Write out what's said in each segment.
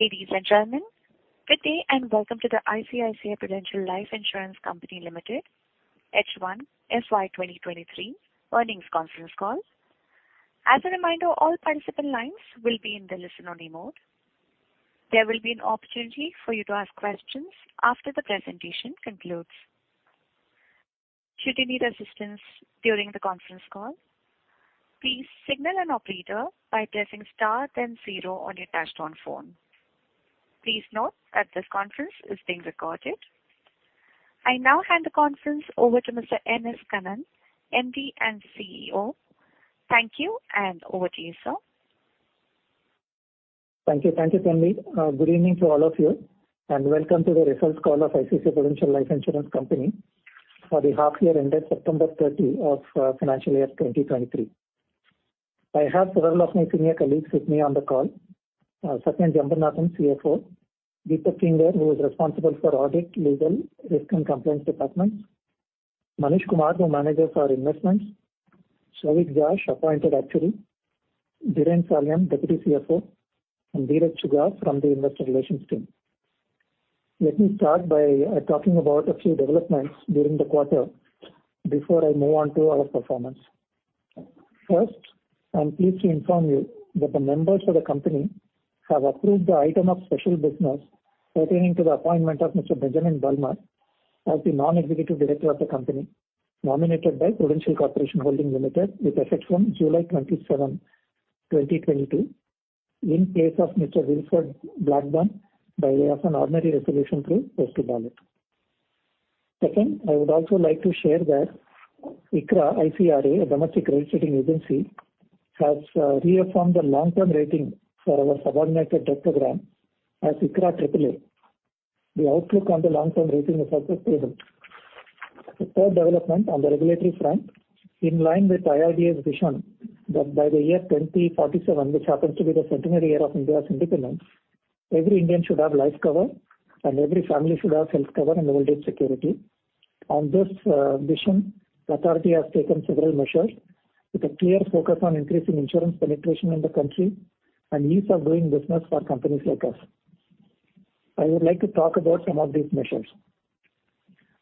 Ladies and gentlemen, good day, and welcome to the ICICI Prudential Life Insurance Company Limited H1 FY 2023 earnings conference call. As a reminder, all participant lines will be in the listen-only mode. There will be an opportunity for you to ask questions after the presentation concludes. Should you need assistance during the conference call, please signal an operator by pressing star then zero on your touchtone phone. Please note that this conference is being recorded. I now hand the conference over to Mr. N. S. Kannan, MD and CEO. Thank you, and over to you, sir. Thank you. Thank you, Stanley. Good evening to all of you, and welcome to the results call of ICICI Prudential Life Insurance Company for the half year ended September 30 of financial year 2023. I have several of my senior colleagues with me on the call. Satyan Jambunathan, CFO. Deepak Kinger, who is responsible for audit, legal, risk and compliance departments. Manish Kumar, who manages our investments. Souvik Jash, appointed actuary. Dhiren Salian, Deputy CFO, and Dhiraj Chugha from the investor relations team. Let me start by talking about a few developments during the quarter before I move on to our performance. First, I'm pleased to inform you that the members of the company have approved the item of special business pertaining to the appointment of Mr. Benjamin Bulmer as the Non-Executive Director of the company, nominated by Prudential Corporation Holdings Limited with effect from July 27, 2022, in place of Mr. Wilfred Blackburn by way of an ordinary resolution through postal ballot. Second, I would also like to share that ICRA, a domestic credit rating agency, has reaffirmed the long-term rating for our subordinated debt program as ICRA AAA. The outlook on the long-term rating is unstable. The third development on the regulatory front, in line with IRDAI's vision that by the year 2047, which happens to be the centenary year of India's independence, every Indian should have life cover and every family should have health cover and old age security. On this vision, the authority has taken several measures with a clear focus on increasing insurance penetration in the country and ease of doing business for companies like us. I would like to talk about some of these measures.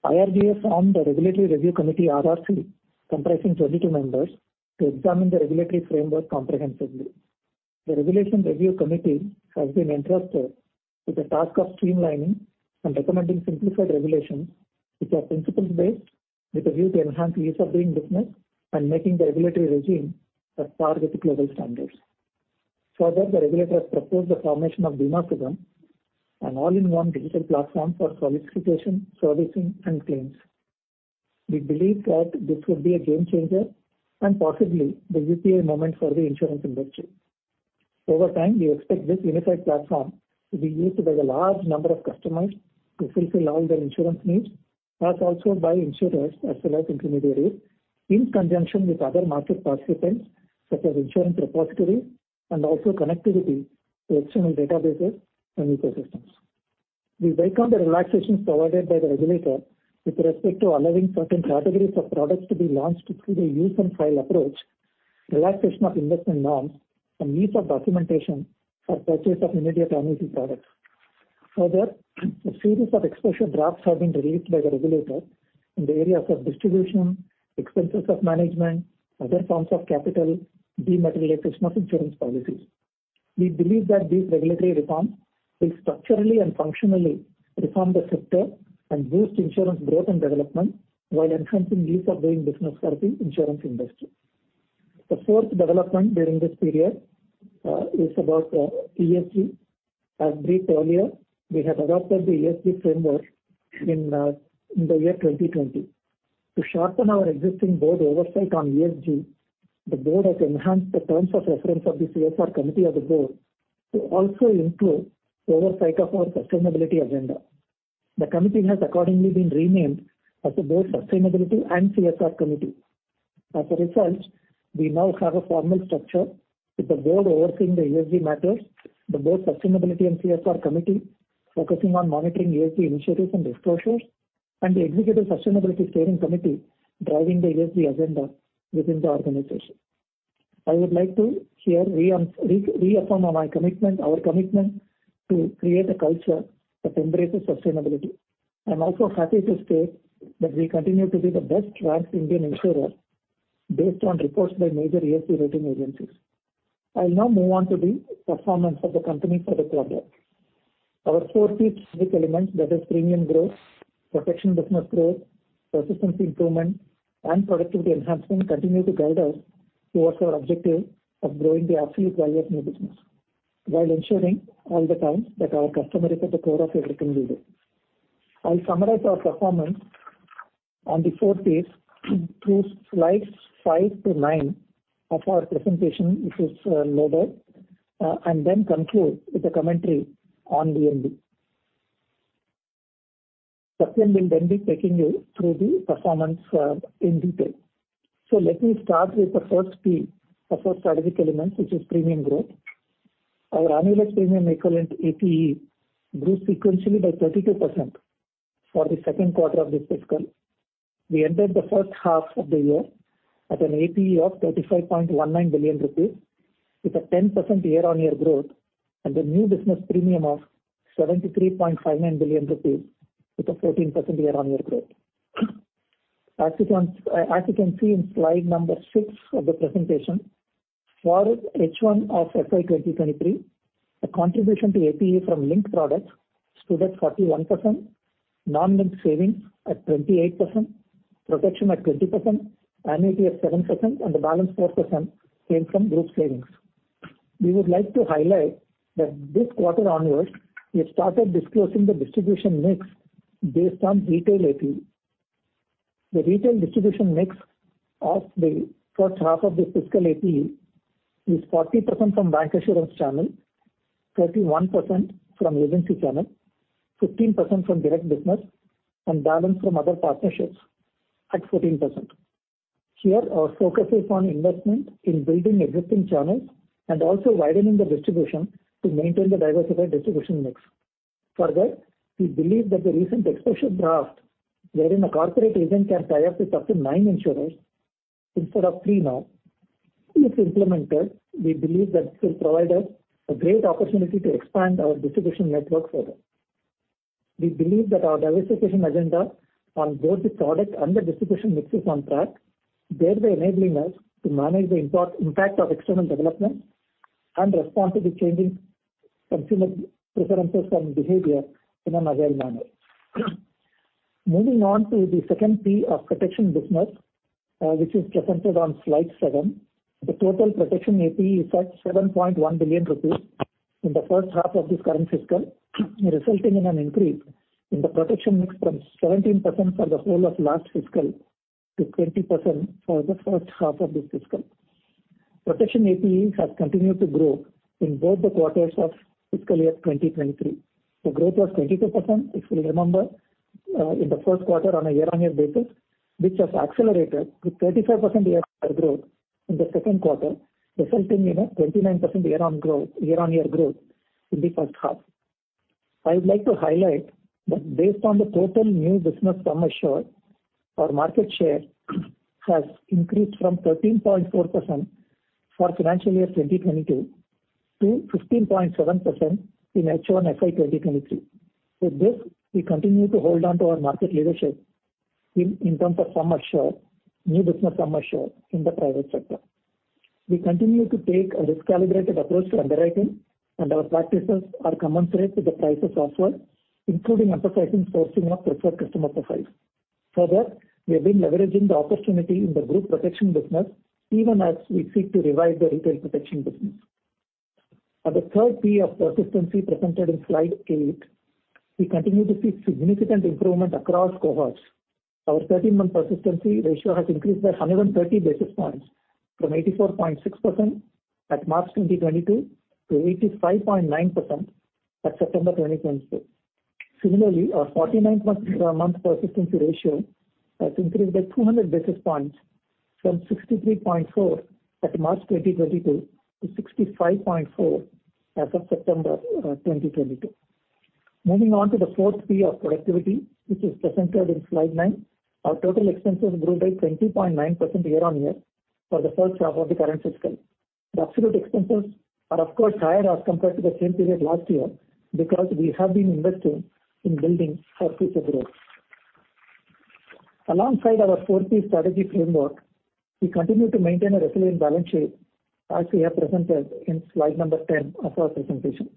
IRDAI formed the Regulatory Review Committee, RRC, comprising 22 members to examine the regulatory framework comprehensively. The Regulatory Review Committee has been entrusted with the task of streamlining and recommending simplified regulations which are principles-based with a view to enhance ease of doing business and making the regulatory regime at par with the global standards. Further, the regulator has proposed the formation of Bima Sugam, an all-in-one digital platform for solicitation, servicing, and claims. We believe that this would be a game changer and possibly the UPI moment for the insurance industry. Over time, we expect this unified platform to be used by the large number of customers to fulfill all their insurance needs, but also by insurers as well as intermediaries in conjunction with other market participants such as insurance repository and also connectivity to external databases and ecosystems. We welcome the relaxations provided by the regulator with respect to allowing certain categories of products to be launched through the use and file approach, relaxation of investment norms and ease of documentation for purchase of immediate annuity products. Further, a series of exposure drafts have been released by the regulator in the areas of distribution, expenses of management, other forms of capital, dematerialization of insurance policies. We believe that these regulatory reforms will structurally and functionally reform the sector and boost insurance growth and development while enhancing ease of doing business for the insurance industry. The fourth development during this period is about ESG. As briefed earlier, we have adopted the ESG framework in the year 2020. To sharpen our existing board oversight on ESG, the board has enhanced the terms of reference of the CSR committee of the board to also include oversight of our sustainability agenda. The committee has accordingly been renamed as the Board Sustainability and CSR Committee. As a result, we now have a formal structure with the board overseeing the ESG matters, the Board Sustainability and CSR Committee focusing on monitoring ESG initiatives and disclosures, and the Executive Sustainability Steering Committee driving the ESG agenda within the organization. I would like to reaffirm our commitment to create a culture that embraces sustainability. I'm also happy to state that we continue to be the best ranked Indian insurer based on reports by major ESG rating agencies. I'll now move on to the performance of the company for the quarter. Our four key strategic elements, that is premium growth, protection business growth, persistence improvement, and productivity enhancement, continue to guide us towards our objective of growing the absolute value of new business while ensuring all the time that our customer is at the core of everything we do. I'll summarize our performance on the four P's through slides 5-9 of our presentation, if it's loaded, and then conclude with a commentary on VNB. Satyan will then be taking you through the performance in detail. Let me start with the first P of our strategic elements, which is premium growth. Our annualized premium equivalent, APE, grew sequentially by 32% for the second quarter of this fiscal. We entered the first half of the year at an APE of 35.19 billion rupees, with a 10% year-on-year growth and a new business premium of 73.59 billion rupees with a 14% year-on-year growth. As you can see in slide number 6 of the presentation, for H1 of FY 2023, the contribution to APE from linked products stood at 41%, non-linked savings at 28%, protection at 20%, annuity at 7%, and the balance 4% came from group savings. We would like to highlight that this quarter onwards we have started disclosing the distribution mix based on retail APE. The retail distribution mix of the first half of this fiscal APE is 40% from bank insurance channel, 31% from agency channel, 15% from direct business, and balance from other partnerships at 14%. Here our focus is on investment in building existing channels and also widening the distribution to maintain the diversified distribution mix. For that, we believe that the recent exposure draft, wherein a corporate agent can tie up with up to nine insurers instead of three now, if implemented, we believe that this will provide us a great opportunity to expand our distribution network further. We believe that our diversification agenda on both the product and the distribution mix is on track, thereby enabling us to manage the impact of external developments and respond to the changing consumer preferences and behavior in an agile manner. Moving on to the second P of protection business, which is presented on slide 7. The total protection APE is at 7.1 billion rupees in the first half of this current fiscal, resulting in an increase in the protection mix from 17% for the whole of last fiscal to 20% for the first half of this fiscal. Protection APE has continued to grow in both the quarters of fiscal year 2023. The growth was 22%, if you remember, in the first quarter on a year-on-year basis, which has accelerated to 35% year-over-year growth in the second quarter, resulting in a 29% year-on-year growth in the first half. I would like to highlight that based on the total new business sum assured share, our market share has increased from 13.4% for financial year 2022 to 15.7% in H1 FY 2023. With this, we continue to hold on to our market leadership in terms of sum assured share, new business sum assured share in the private sector. We continue to take a risk-calibrated approach to underwriting, and our practices are commensurate with the prices offered, including emphasizing sourcing of preferred customer profiles. For that, we have been leveraging the opportunity in the group protection business even as we seek to revive the retail protection business. On the third P of persistency presented in slide 8, we continue to see significant improvement across cohorts. Our 13-month persistency ratio has increased by 130 basis points from 84.6% at March 2022 to 85.9% at September 2022. Similarly, our 49-month persistency ratio has increased by 200 basis points from 63.4% at March 2022 to 65.4% as of September 2022. Moving on to the fourth P of productivity, which is presented in slide 9. Our total expenses grew by 20.9% year-on-year for the first half of the current fiscal. The absolute expenses are of course higher as compared to the same period last year because we have been investing in building for future growth. Alongside our four P strategy framework, we continue to maintain a resilient balance sheet as we have presented in slide 10 of our presentation.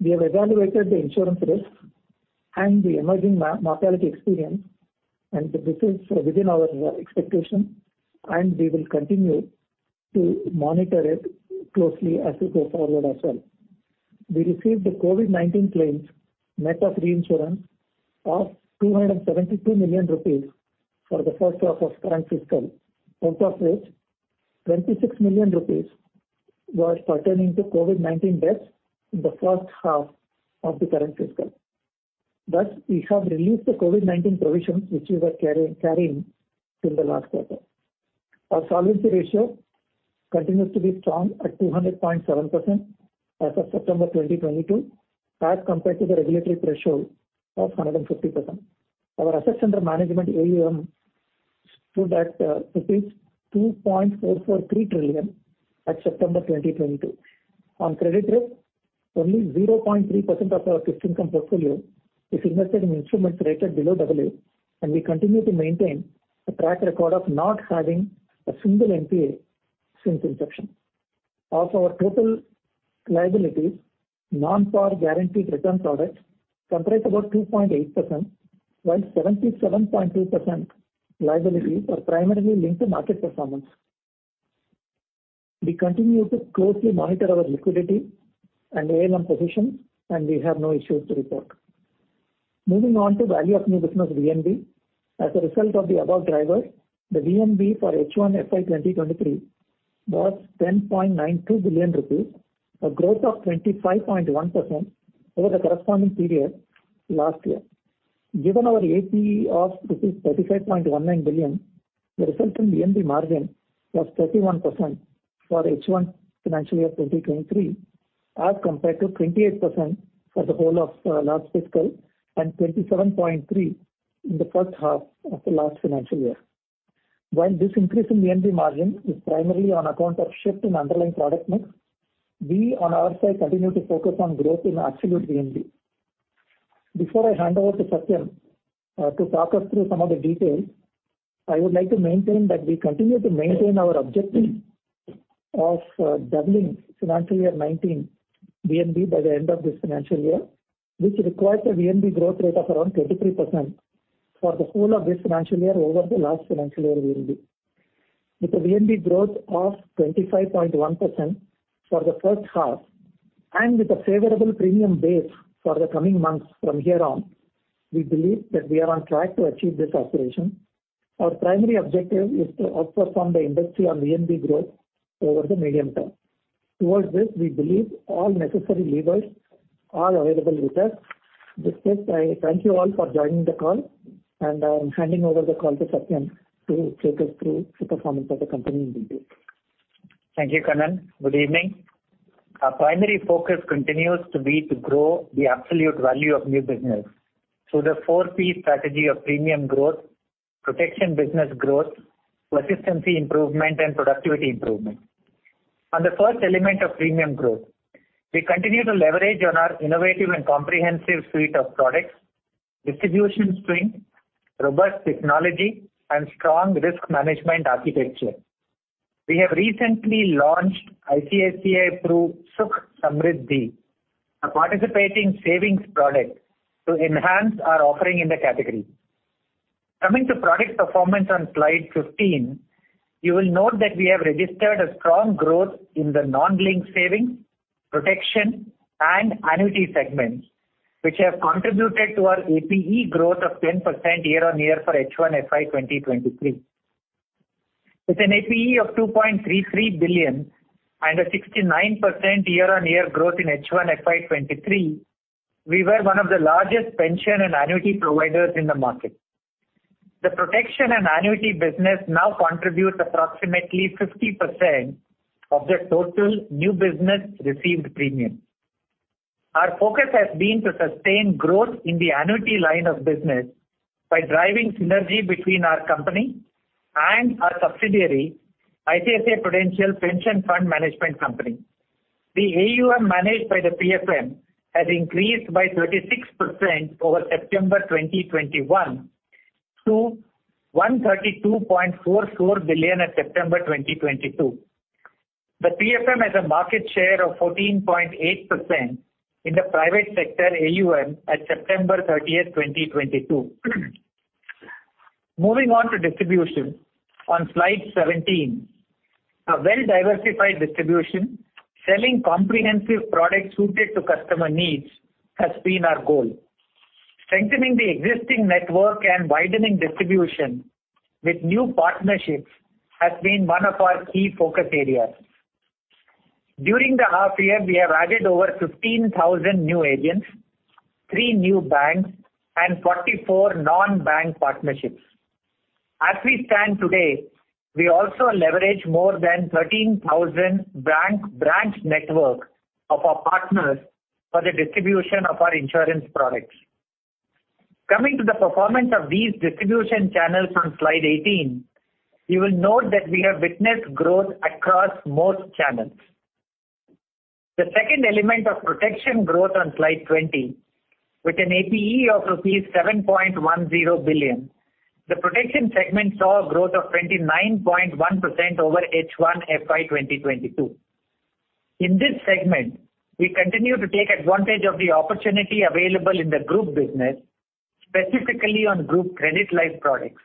We have evaluated the insurance risk and the emerging mortality experience, and this is within our expectation, and we will continue to monitor it closely as we go forward as well. We received the COVID-19 claims net of reinsurance of 272 million rupees for the first half of current fiscal. Out of which 26 million rupees was pertaining to COVID-19 deaths in the first half of the current fiscal. Thus, we have released the COVID-19 provision which we were carrying since the last quarter. Our solvency ratio continues to be strong at 200.7% as of September 2022, as compared to the regulatory threshold of 150%. Our assets under management, AUM, stood at 2.443 trillion at September 2022. On credit risk, only 0.3% of our fixed income portfolio is invested in instruments rated below double A, and we continue to maintain a track record of not having a single NPA since inception. Of our total liabilities, non-par guaranteed return products comprise about 2.8%, while 77.2% liabilities are primarily linked to market performance. We continue to closely monitor our liquidity and AUM positions, and we have no issues to report. Moving on to value of new business, VNB. As a result of the above drivers, the VNB for H1 FY 2023 was 10.92 billion rupees, a growth of 25.1% over the corresponding period last year. Given our APE of 35.19 billion, the resulting VNB margin was 31% for H1 FY 2023. Compared to 28% for the whole of last fiscal and 27.3% in the first half of the last financial year. While this increase in VNB margin is primarily on account of shift in underlying product mix, we on our side continue to focus on growth in absolute VNB. Before I hand over to Satyan to talk us through some of the details, I would like to maintain that we continue to maintain our objective of doubling FY 2019 VNB by the end of this financial year, which requires a VNB growth rate of around 23% for the whole of this financial year over the last financial year VNB. With a VNB growth of 25.1% for the first half and with a favorable premium base for the coming months from here on, we believe that we are on track to achieve this aspiration. Our primary objective is to outperform the industry on VNB growth over the medium term. Toward this, we believe all necessary levers are available with us. With this, I thank you all for joining the call, and I'm handing over the call to Satyan to take us through the performance of the company in detail. Thank you, Kannan. Good evening. Our primary focus continues to be to grow the absolute value of new business through the four P strategy of premium growth, protection business growth, persistency improvement, and productivity improvement. On the first element of premium growth, we continue to leverage on our innovative and comprehensive suite of products, distribution strength, robust technology, and strong risk management architecture. We have recently launched ICICI Pru Sukh Samriddhi, a participating savings product to enhance our offering in the category. Coming to product performance on slide 15, you will note that we have registered a strong growth in the non-linked savings, protection, and annuity segments, which have contributed to our APE growth of 10% year-on-year for H1 FY 2023. With an APE of 2.33 billion and a 69% year-on-year growth in H1 FY 2023, we were one of the largest pension and annuity providers in the market. The protection and annuity business now contributes approximately 50% of the total new business received premium. Our focus has been to sustain growth in the annuity line of business by driving synergy between our company and our subsidiary, ICICI Prudential Pension Funds Management Company Limited. The AUM managed by the PFM has increased by 36% over September 2021 to 132.44 billion at September 2022. The PFM has a market share of 14.8% in the private sector AUM at September 30, 2022. Moving on to distribution on slide 17. A well-diversified distribution selling comprehensive products suited to customer needs has been our goal. Strengthening the existing network and widening distribution with new partnerships has been one of our key focus areas. During the half year, we have added over 15,000 new agents, 3 new banks, and 44 non-bank partnerships. As we stand today, we also leverage more than 13,000 bank branch network of our partners for the distribution of our insurance products. Coming to the performance of these distribution channels on slide 18, you will note that we have witnessed growth across most channels. The second element of protection growth on slide 20, with an APE of rupees 7.10 billion, the protection segment saw a growth of 29.1% over H1 FY 2022. In this segment, we continue to take advantage of the opportunity available in the group business, specifically on group credit life products.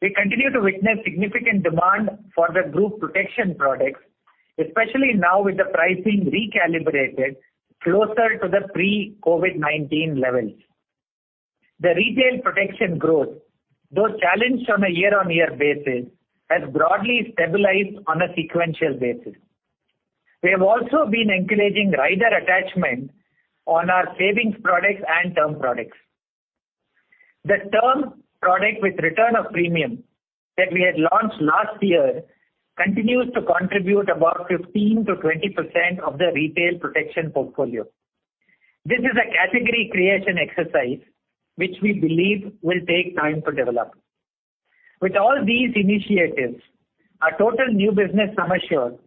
We continue to witness significant demand for the group protection products, especially now with the pricing recalibrated closer to the pre-COVID-19 levels. The retail protection growth, though challenged on a year-on-year basis, has broadly stabilized on a sequential basis. We have also been encouraging rider attachment on our savings products and term products. The term product with return of premium that we had launched last year continues to contribute about 15%-20% of the retail protection portfolio. This is a category creation exercise, which we believe will take time to develop. With all these initiatives, our total new business sum assured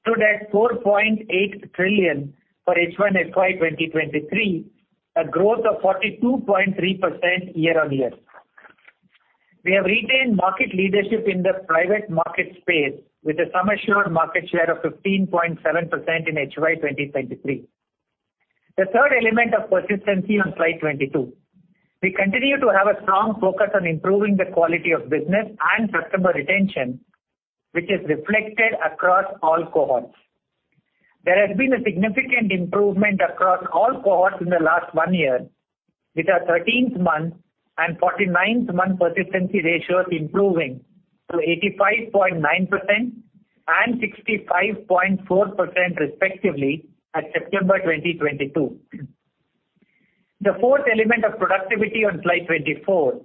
stood at 4.8 trillion for H1 FY 2023, a growth of 42.3% year-on-year. We have retained market leadership in the private market space with a sum assured market share of 15.7% in HY 2023. The third element of persistency on slide 22. We continue to have a strong focus on improving the quality of business and customer retention, which is reflected across all cohorts. There has been a significant improvement across all cohorts in the last one year, with our 13th month and 49th month persistency ratios improving to 85.9% and 65.4% respectively at September 2022. The fourth element of productivity on slide 24.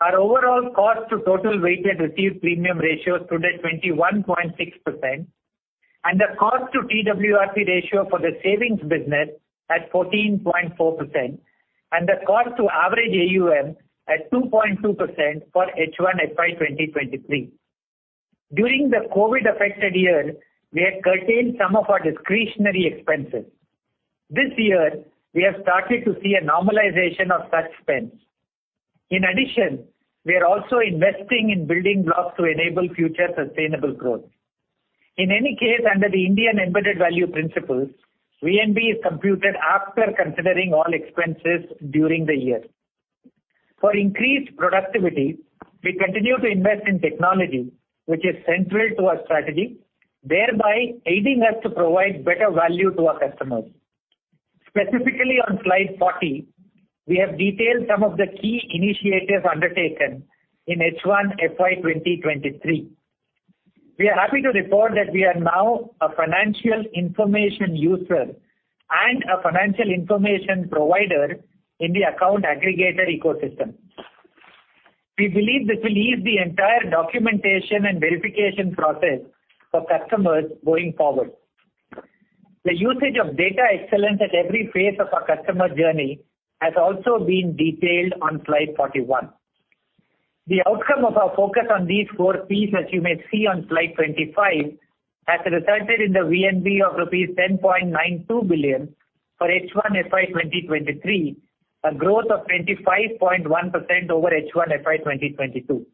Our overall cost to total weighted received premium ratio stood at 21.6% and the cost to TWRP ratio for the savings business at 14.4% and the cost to average AUM at 2.2% for H1 FY 2023. During the COVID affected year, we had curtailed some of our discretionary expenses. This year we have started to see a normalization of such spends. In addition, we are also investing in building blocks to enable future sustainable growth. In any case, under the Indian Embedded Value principles, VNB is computed after considering all expenses during the year. For increased productivity, we continue to invest in technology which is central to our strategy, thereby aiding us to provide better value to our customers. Specifically on slide 40, we have detailed some of the key initiatives undertaken in H1 FY 2023. We are happy to report that we are now a financial information user and a financial information provider in the account aggregator ecosystem. We believe this will ease the entire documentation and verification process for customers going forward. The usage of data excellence at every phase of our customer journey has also been detailed on slide 41. The outcome of our focus on these four Ps, as you may see on slide 25, has resulted in the VNB of rupees 10.92 billion for H1 FY 2023, a growth of 25.1% over H1 FY 2022.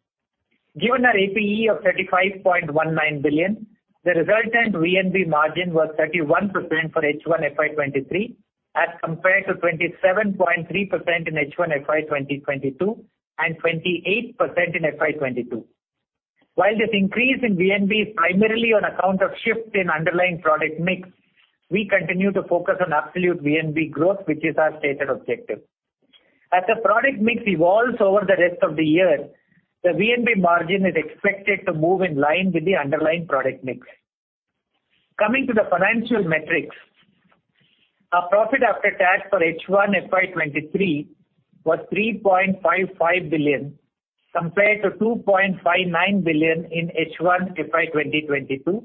Given our APE of 35.19 billion, the resultant VNB margin was 31% for H1 FY 2023 as compared to 27.3% in H1 FY 2022 and 28% in FY 2022. While this increase in VNB is primarily on account of shift in underlying product mix, we continue to focus on absolute VNB growth, which is our stated objective. As the product mix evolves over the rest of the year, the VNB margin is expected to move in line with the underlying product mix. Coming to the financial metrics. Our profit after tax for H1 FY 2023 was 3.55 billion compared to 2.59 billion in H1 FY 2022,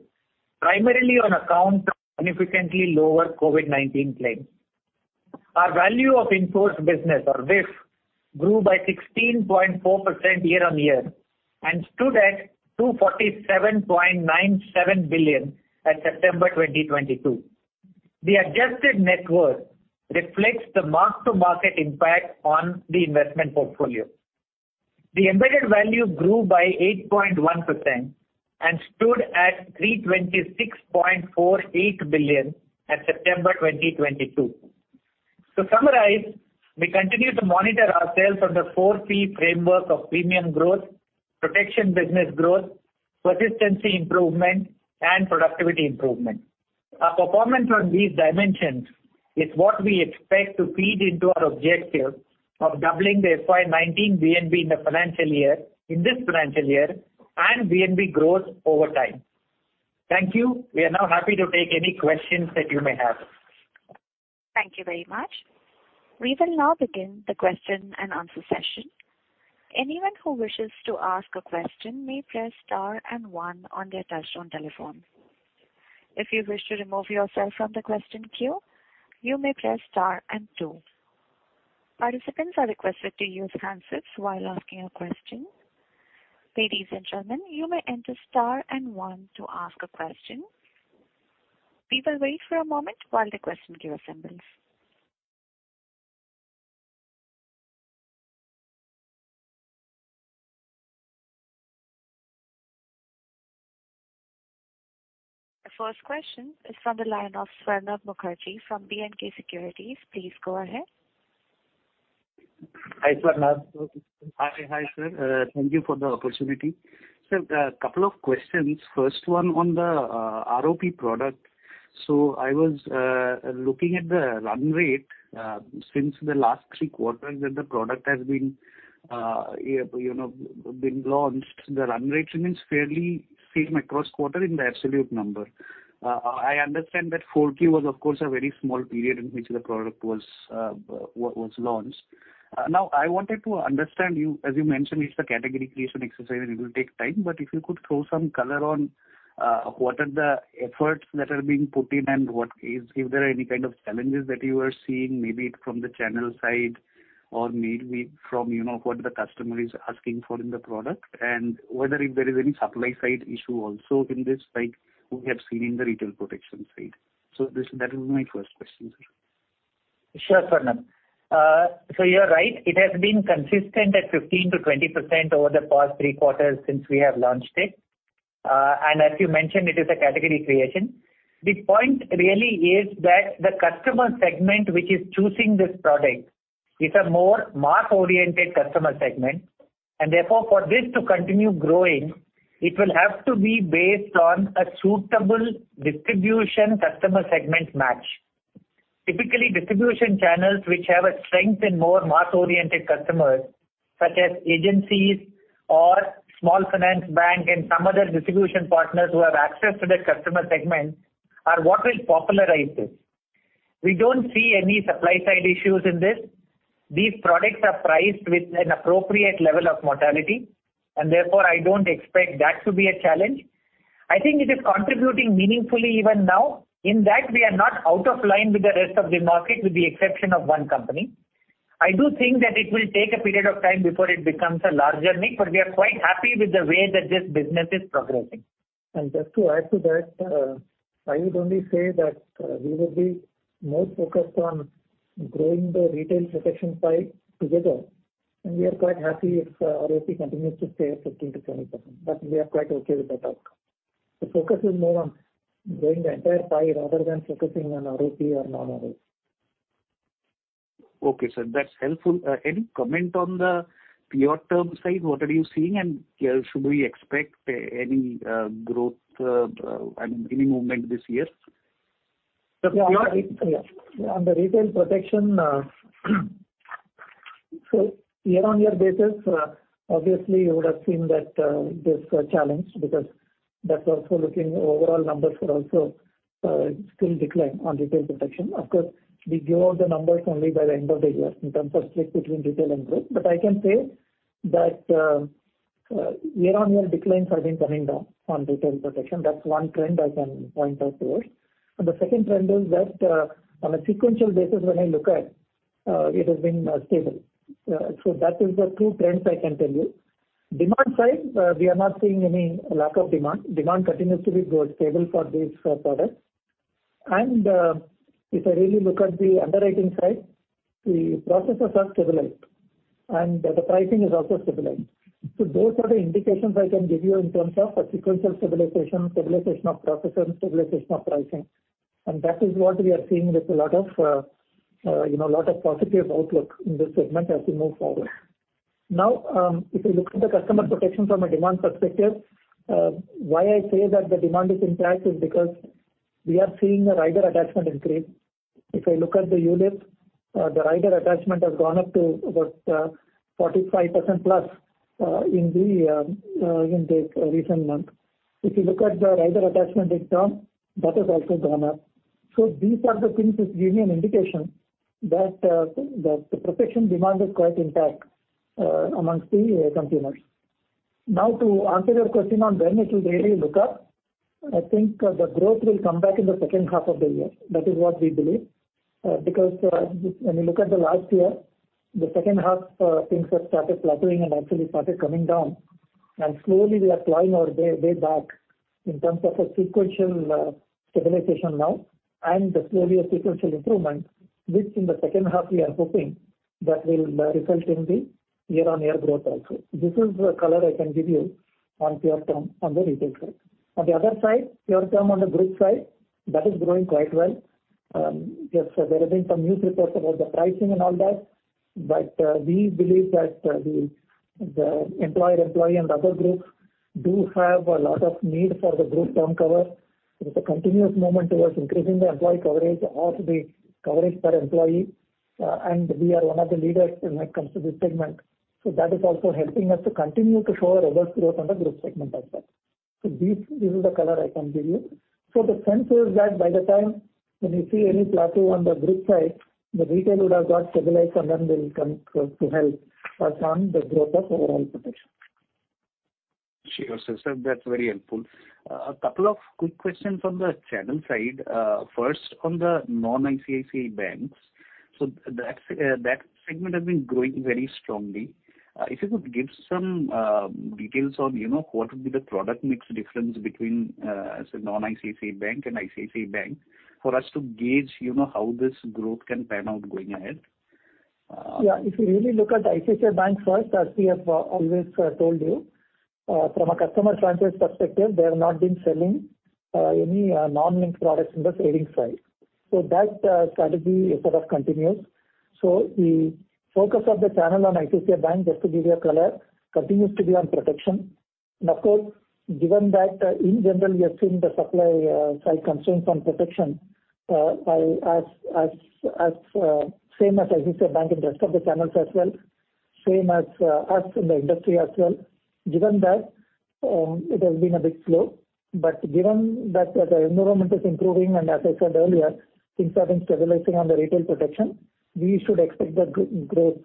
primarily on account of significantly lower COVID-19 claims. Our value of in-force business or VIF grew by 16.4% year-over-year and stood at 247.97 billion at September 2022. The adjusted net worth reflects the mark-to-market impact on the investment portfolio. The embedded value grew by 8.1% and stood at 326.48 billion at September 2022. To summarize, we continue to monitor ourselves on the four P framework of premium growth, protection business growth, persistency improvement and productivity improvement. Our performance on these dimensions is what we expect to feed into our objective of doubling the FY 2019 VNB in the financial year, in this financial year and VNB growth over time. Thank you. We are now happy to take any questions that you may have. Thank you very much. We will now begin the question and answer session. Anyone who wishes to ask a question may press star and one on their touchtone telephone. If you wish to remove yourself from the question queue, you may press star and two. Participants are requested to use handsets while asking a question. Ladies and gentlemen, you may enter star and one to ask a question. We will wait for a moment while the question queue assembles. The first question is from the line of Saurabh Mukherjee from B&K Securities. Please go ahead. Hi, Saurabh. Hi. Hi, sir. Thank you for the opportunity. Sir, a couple of questions. First one on the ROP product. I was looking at the run rate since the last three quarters that the product has been, you know, launched. The run rate remains fairly same across quarter in the absolute number. I understand that full Q was of course a very small period in which the product was launched. Now I wanted to understand you as you mentioned, it's a category creation exercise and it will take time, but if you could throw some color on what are the efforts that are being put in and what is if there are any kind of challenges that you are seeing, maybe from the channel side or maybe from, you know, what the customer is asking for in the product and whether if there is any supply side issue also in this like we have seen in the retail protection side. That will be my first question, sir. Sure, Saurabh. You're right. It has been consistent at 15%-20% over the past three quarters since we have launched it. As you mentioned, it is a category creation. The point really is that the customer segment, which is choosing this product is a more mass-oriented customer segment and therefore, for this to continue growing, it will have to be based on a suitable distribution customer segment match. Typically, distribution channels which have a strength in more mass-oriented customers, such as agencies or small finance bank and some other distribution partners who have access to that customer segment are what will popularize this. We don't see any supply side issues in this. These products are priced with an appropriate level of mortality and therefore I don't expect that to be a challenge. I think it is contributing meaningfully even now in that we are not out of line with the rest of the market with the exception of one company. I do think that it will take a period of time before it becomes a larger niche, but we are quite happy with the way that this business is progressing. Just to add to that, I would only say that, we will be more focused on growing the retail protection pie together, and we are quite happy if ROP continues to stay at 15%-20%, but we are quite okay with that outcome. The focus is more on growing the entire pie rather than focusing on ROP or non-ROP. Okay, sir, that's helpful. Any comment on the pure term side, what are you seeing and should we expect any growth, any movement this year? Yeah. On the retail protection, so year-on-year basis, obviously you would have seen that, there's a challenge because that's also looking overall numbers were also still decline on retail protection. Of course, we give out the numbers only by the end of the year in terms of split between retail and group. I can say that year-on-year declines have been coming down on retail protection. That's one trend I can point out to you. The second trend is that on a sequential basis when I look at it has been stable. That is the two trends I can tell you. Demand side, we are not seeing any lack of demand. Demand continues to be broadly stable for these products. If I really look at the underwriting side, the processes are stabilized and the pricing is also stabilized. Those are the indications I can give you in terms of a sequential stabilization of processes, stabilization of pricing. That is what we are seeing with a lot of, you know, positive outlook in this segment as we move forward. If you look at the customer protection from a demand perspective, why I say that the demand is intact is because we are seeing a rider attachment increase. If I look at the ULIP, the rider attachment has gone up to about 45% plus in the recent month. If you look at the rider attachment in term, that has also gone up. These are the things which give me an indication that the protection demand is quite intact amongst the consumers. Now to answer your question on when it will really look up, I think the growth will come back in the second half of the year. That is what we believe. Because when you look at the last year, the second half, things have started plateauing and actually started coming down. Slowly we are climbing our way back in terms of a sequential stabilization now and then slowly a sequential improvement, which in the second half we are hoping that will result in the year-on-year growth also. This is the color I can give you on pure term on the retail side. On the other side, pure term on the group side, that is growing quite well. Yes, there have been some news reports about the pricing and all that, but we believe that the employee and other groups do have a lot of need for the group term cover. There's a continuous movement towards increasing the employee coverage or the coverage per employee, and we are one of the leaders when it comes to this segment. That is also helping us to continue to show a robust growth on the group segment as such. This is the color I can give you. The sense is that by the time when you see any plateau on the group side, the retail would have got stabilized and then they will come to help us on the growth of overall protection. Sure. Sir, that's very helpful. A couple of quick questions on the channel side. First on the non-ICICI banks. That segment has been growing very strongly. If you could give some details on, you know, what would be the product mix difference between, say non-ICICI Bank and ICICI Bank for us to gauge, you know, how this growth can pan out going ahead. Yeah, if you really look at ICICI Bank first, as we have always told you from a customer franchise perspective, they have not been selling any non-linked products in the savings side. That strategy sort of continues. The focus of the channel on ICICI Bank, just to give you a color, continues to be on protection. Of course, given that, in general we have seen the supply side constraints on protection, same as Axis Bank and rest of the channels as well, same as us in the industry as well. Given that, it has been a bit slow, but given that the environment is improving and as I said earlier, things have been stabilizing on the retail protection, we should expect that growth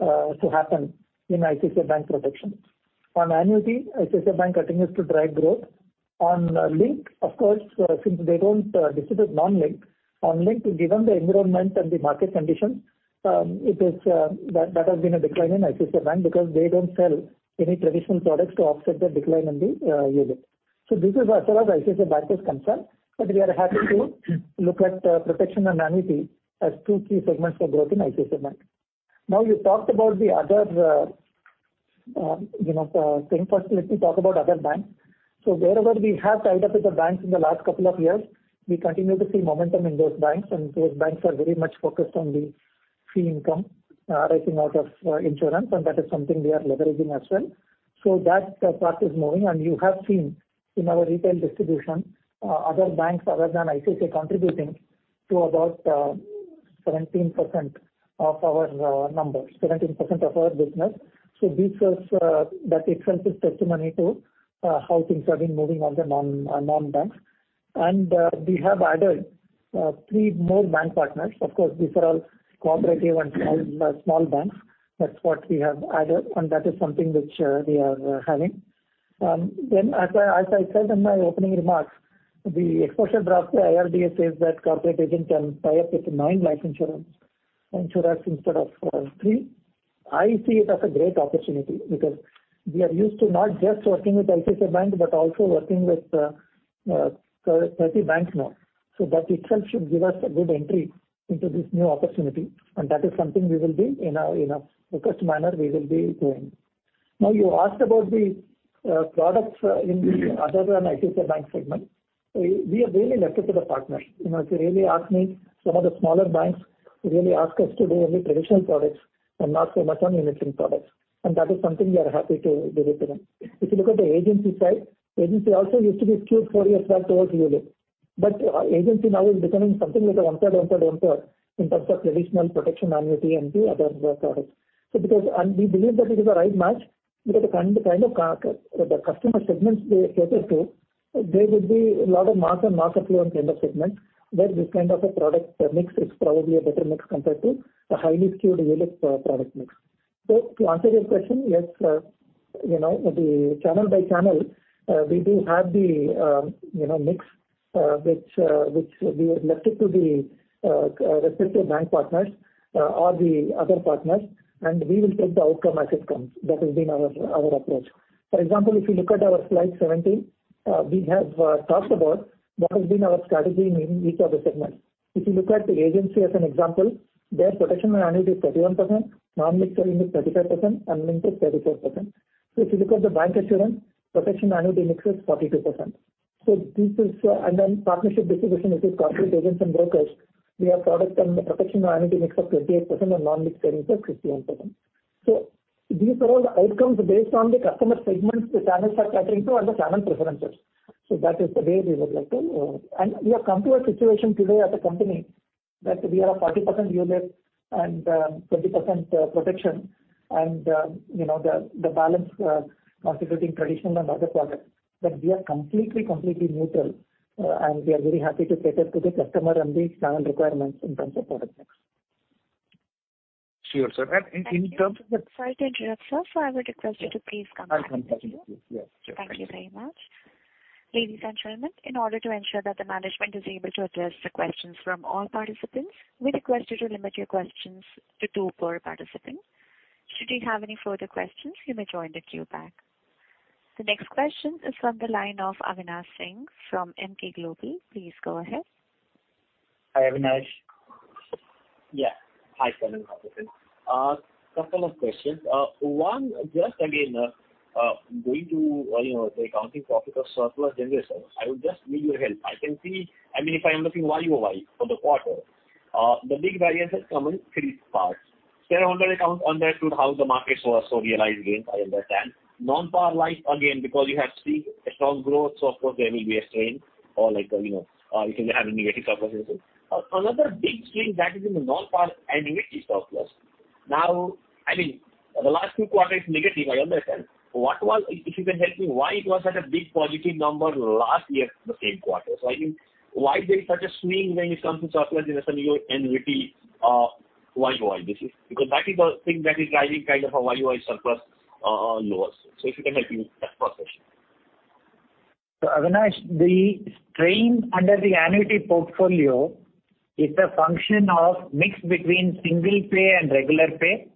to happen in ICICI Bank protection. On annuity, ICICI Bank continues to drive growth. On link, of course, since they don't, this is non-link. On link, given the environment and the market conditions, there has been a decline in ICICI Bank because they don't sell any traditional products to offset the decline in the ULIP. So this is as far as ICICI Bank is concerned, but we are happy to look at protection and annuity as two key segments for growth in ICICI Bank. Now, you talked about the other, you know, thing. First, let me talk about other banks. Wherever we have tied up with the banks in the last couple of years, we continue to see momentum in those banks, and those banks are very much focused on the fee income rising out of insurance, and that is something we are leveraging as well. That part is moving, and you have seen in our retail distribution, other banks other than ICICI contributing to about 17% of our numbers, 17% of our business. This is that itself is testimony to how things have been moving on the non-banks. We have added 3 more bank partners. Of course, these are all cooperative and small banks. That's what we have added, and that is something which we are having. As I said in my opening remarks, the exposure draft IRDAI says that corporate agent can tie up with nine life insurers instead of three. I see it as a great opportunity because we are used to not just working with ICICI Bank but also working with thirty banks now. That itself should give us a good entry into this new opportunity, and that is something we will be doing in a focused manner. You asked about the products in the other than ICICI Bank segment. We really left it to the partners. You know, if you really ask me, some of the smaller banks really ask us to do only traditional products and not so much on unit linked products. That is something we are happy to deliver to them. If you look at the agency side, agency also used to be skewed 4 years back towards ULIP. Agency now is becoming something like a 1/3, 1/3, 1/3 in terms of traditional, protection, annuity, and the other products. We believe that it is the right match because the kind of customer segments they cater to, there would be a lot of mass and market low and entry segments where this kind of a product mix is probably a better mix compared to a highly skewed ULIP product mix. To answer your question, yes, you know, the channel by channel, we do have the, you know, mix, which we have left it to the respective bank partners, or the other partners, and we will take the outcome as it comes. That has been our approach. For example, if you look at our slide 17, we have talked about what has been our strategy in each of the segments. If you look at the agency as an example, their protection and annuity is 31%, non-linked selling is 35%, and linked is 34%. If you look at the bancassurance, protection annuity mix is 42%. This is... Partnership distribution, if it's corporate agents and brokers, we have product and protection annuity mix of 28% and non-linked selling is 51%. These are all the outcomes based on the customer segments the channels are catering to and the channel preferences. That is the way we would like to. We have come to a situation today as a company that we are a 40% ULIP and, 20% protection and, you know, the balance constituting traditional and other products. We are completely neutral, and we are very happy to cater to the customer and the channel requirements in terms of product mix. Sure, sir. In terms of Thank you. Sorry to interrupt, sir. I would request you to please come back to queue. I'll come back to queue. Yes. Sure. Thank you. Thank you very much. Ladies and gentlemen, in order to ensure that the management is able to address the questions from all participants, we request you to limit your questions to two per participant. Should you have any further questions, you may join the queue back. The next question is from the line of Avinash Singh from Emkay Global. Please go ahead. Hi, Avinash. Yeah. Hi, Satyan Jambunathan. How are you doing? Couple of questions. One, just again, going to the accounting profit of surplus generation, I would just need your help. I can see. I mean, if I'm looking YOY for the quarter, the big variance has come in three parts. Shareholder account understood how the markets were, so realized gains I understand. Non-par life again, because you have seen a strong growth, so of course there will be a strain or like, you know, if you have a negative surplus or something. Another big strain that is in the non-par and equity surplus. Now, I mean, the last two quarters negative I understand. What was. If you can help me why it was at a big positive number last year the same quarter. I mean why there is such a swing when it comes to surplus generation in your annuity YOY basis, because that is the thing that is driving kind of a YOY surplus lower. If you can help me with that first question. Avinash, the strain under the annuity portfolio is a function of mix between single pay and regular pay,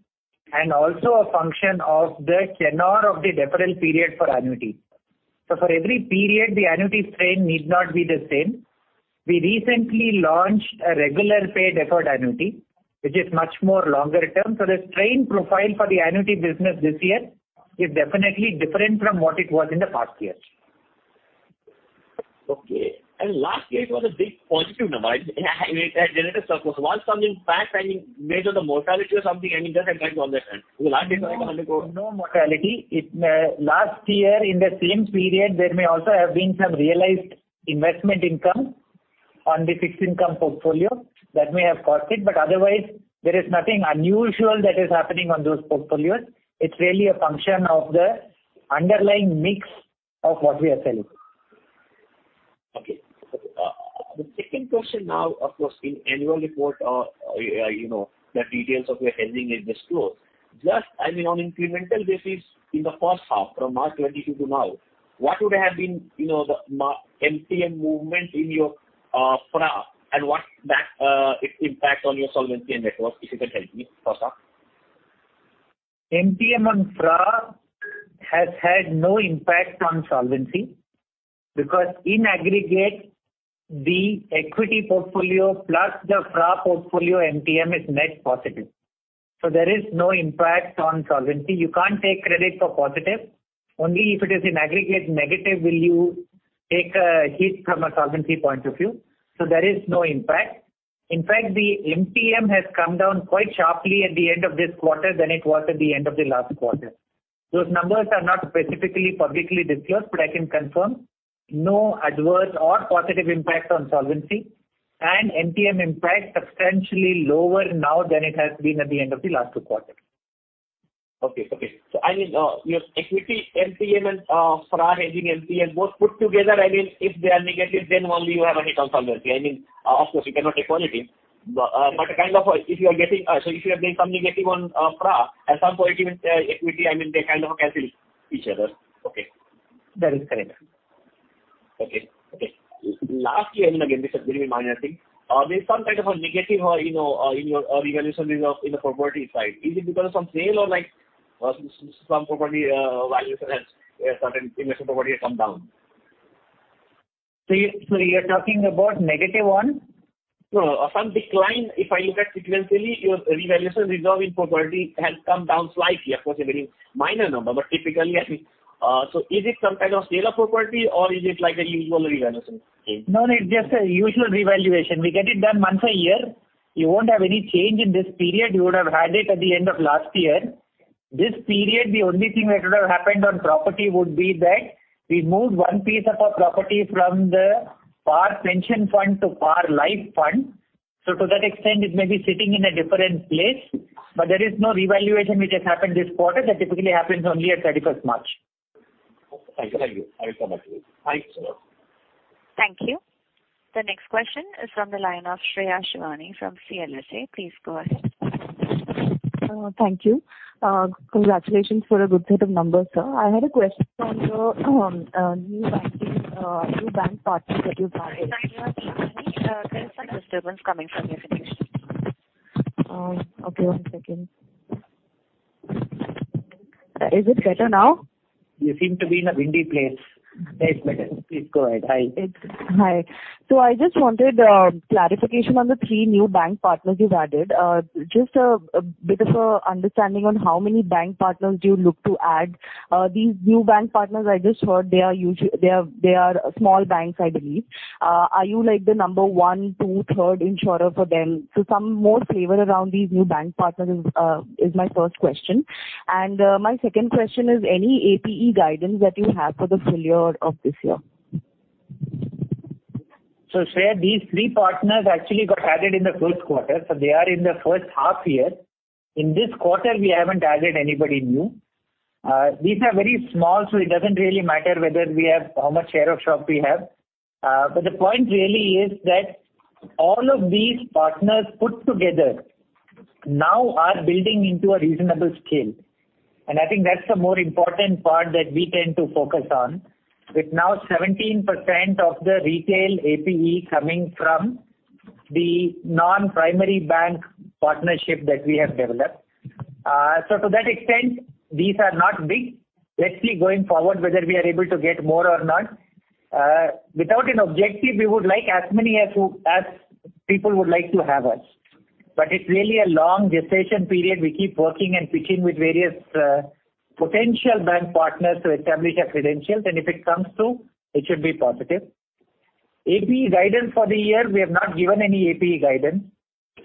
and also a function of the tenure of the deferral period for annuity. For every period, the annuity strain need not be the same. We recently launched a regular pay deferred annuity, which is much more longer term. The strain profile for the annuity business this year is definitely different from what it was in the past years. Okay. Last year it was a big positive number. It generated surplus. Was something like that? I mean, made of the mortality or something? I mean, just I'd like to understand. Because last year it was INR 100 crore. No, mortality. It last year in the same period, there may also have been some realized investment income on the fixed income portfolio that may have caused it, but otherwise there is nothing unusual that is happening on those portfolios. It's really a function of the underlying mix of what we are selling. Okay. The second question now, of course, in annual report, you know, the details of your hedging is disclosed. Just, I mean, on incremental basis in the first half from March 2022 to now, what would have been, you know, the MTM movement in your FRA, and what that impact on your solvency and net worth, if you can help me, Satyan Jambunathan. MTM on FRA has had no impact on solvency because in aggregate, the equity portfolio plus the FRA portfolio MTM is net positive. There is no impact on solvency. You can't take credit for positive. Only if it is in aggregate negative will you take a hit from a solvency point of view. There is no impact. In fact, the MTM has come down quite sharply at the end of this quarter than it was at the end of the last quarter. Those numbers are not specifically publicly disclosed, but I can confirm no adverse or positive impact on solvency and MTM impact substantially lower now than it has been at the end of the last two quarters. Okay. I mean, your equity MTM and FRA hedging MTM both put together, I mean, if they are negative, then only you have a hit on solvency. I mean, of course, you cannot equate, but a kind of a if you are having some negative on FRA and some positive in equity, I mean, they kind of cancel each other. Okay. That is correct. Okay. Lastly, I mean, again, this is a very minor thing. There's some type of a negative or, you know, in your revaluation reserve in the property side. Is it because of some sale or, like, some property valuation has come down? You're talking about -1? No. Some decline, if I look at sequentially, your revaluation reserve in property has come down slightly. Of course, a very minor number, but typically, I mean, so is it some kind of sale of property or is it like a usual revaluation? No, it's just a usual revaluation. We get it done once a year. You won't have any change in this period. You would have had it at the end of last year. This period, the only thing that would have happened on property would be that we moved one piece of a property from the Par Pension Fund to Par Life Fund. To that extent, it may be sitting in a different place, but there is no revaluation which has happened this quarter. That typically happens only at thirty-first March. Okay. Thank you. I will come back to you. Thanks. Thank you. The next question is from the line of Shreya Shivani from CLSA. Please go ahead. Thank you. Congratulations for a good set of numbers, sir. I had a question on your new bank partners that you've added. Sorry to interrupt you, Shreya. There is some disturbance coming from your connection. Okay. One second. Is it better now? You seem to be in a windy place. Now it's better. Please go ahead. Hi. I just wanted clarification on the three new bank partners you've added. A bit of an understanding on how many bank partners do you look to add. These new bank partners, I just heard they are small banks, I believe. Are you like the number one, two, third insurer for them? Some more flavor around these new bank partners is my first question. My second question is any APE guidance that you have for the full year of this year. Shreya, these three partners actually got added in the first quarter, so they are in their first half year. In this quarter, we haven't added anybody new. These are very small, so it doesn't really matter whether we have how much share of shop we have. The point really is that all of these partners put together now are building into a reasonable scale. I think that's the more important part that we tend to focus on. With now 17% of the retail APE coming from the non-primary bank partnership that we have developed. To that extent, these are not big. Let's see going forward whether we are able to get more or not. Without an objective, we would like as many as who, as people would like to have us. It's really a long gestation period. We keep working and pitching with various potential bank partners to establish our credentials, and if it comes through, it should be positive. APE guidance for the year, we have not given any APE guidance.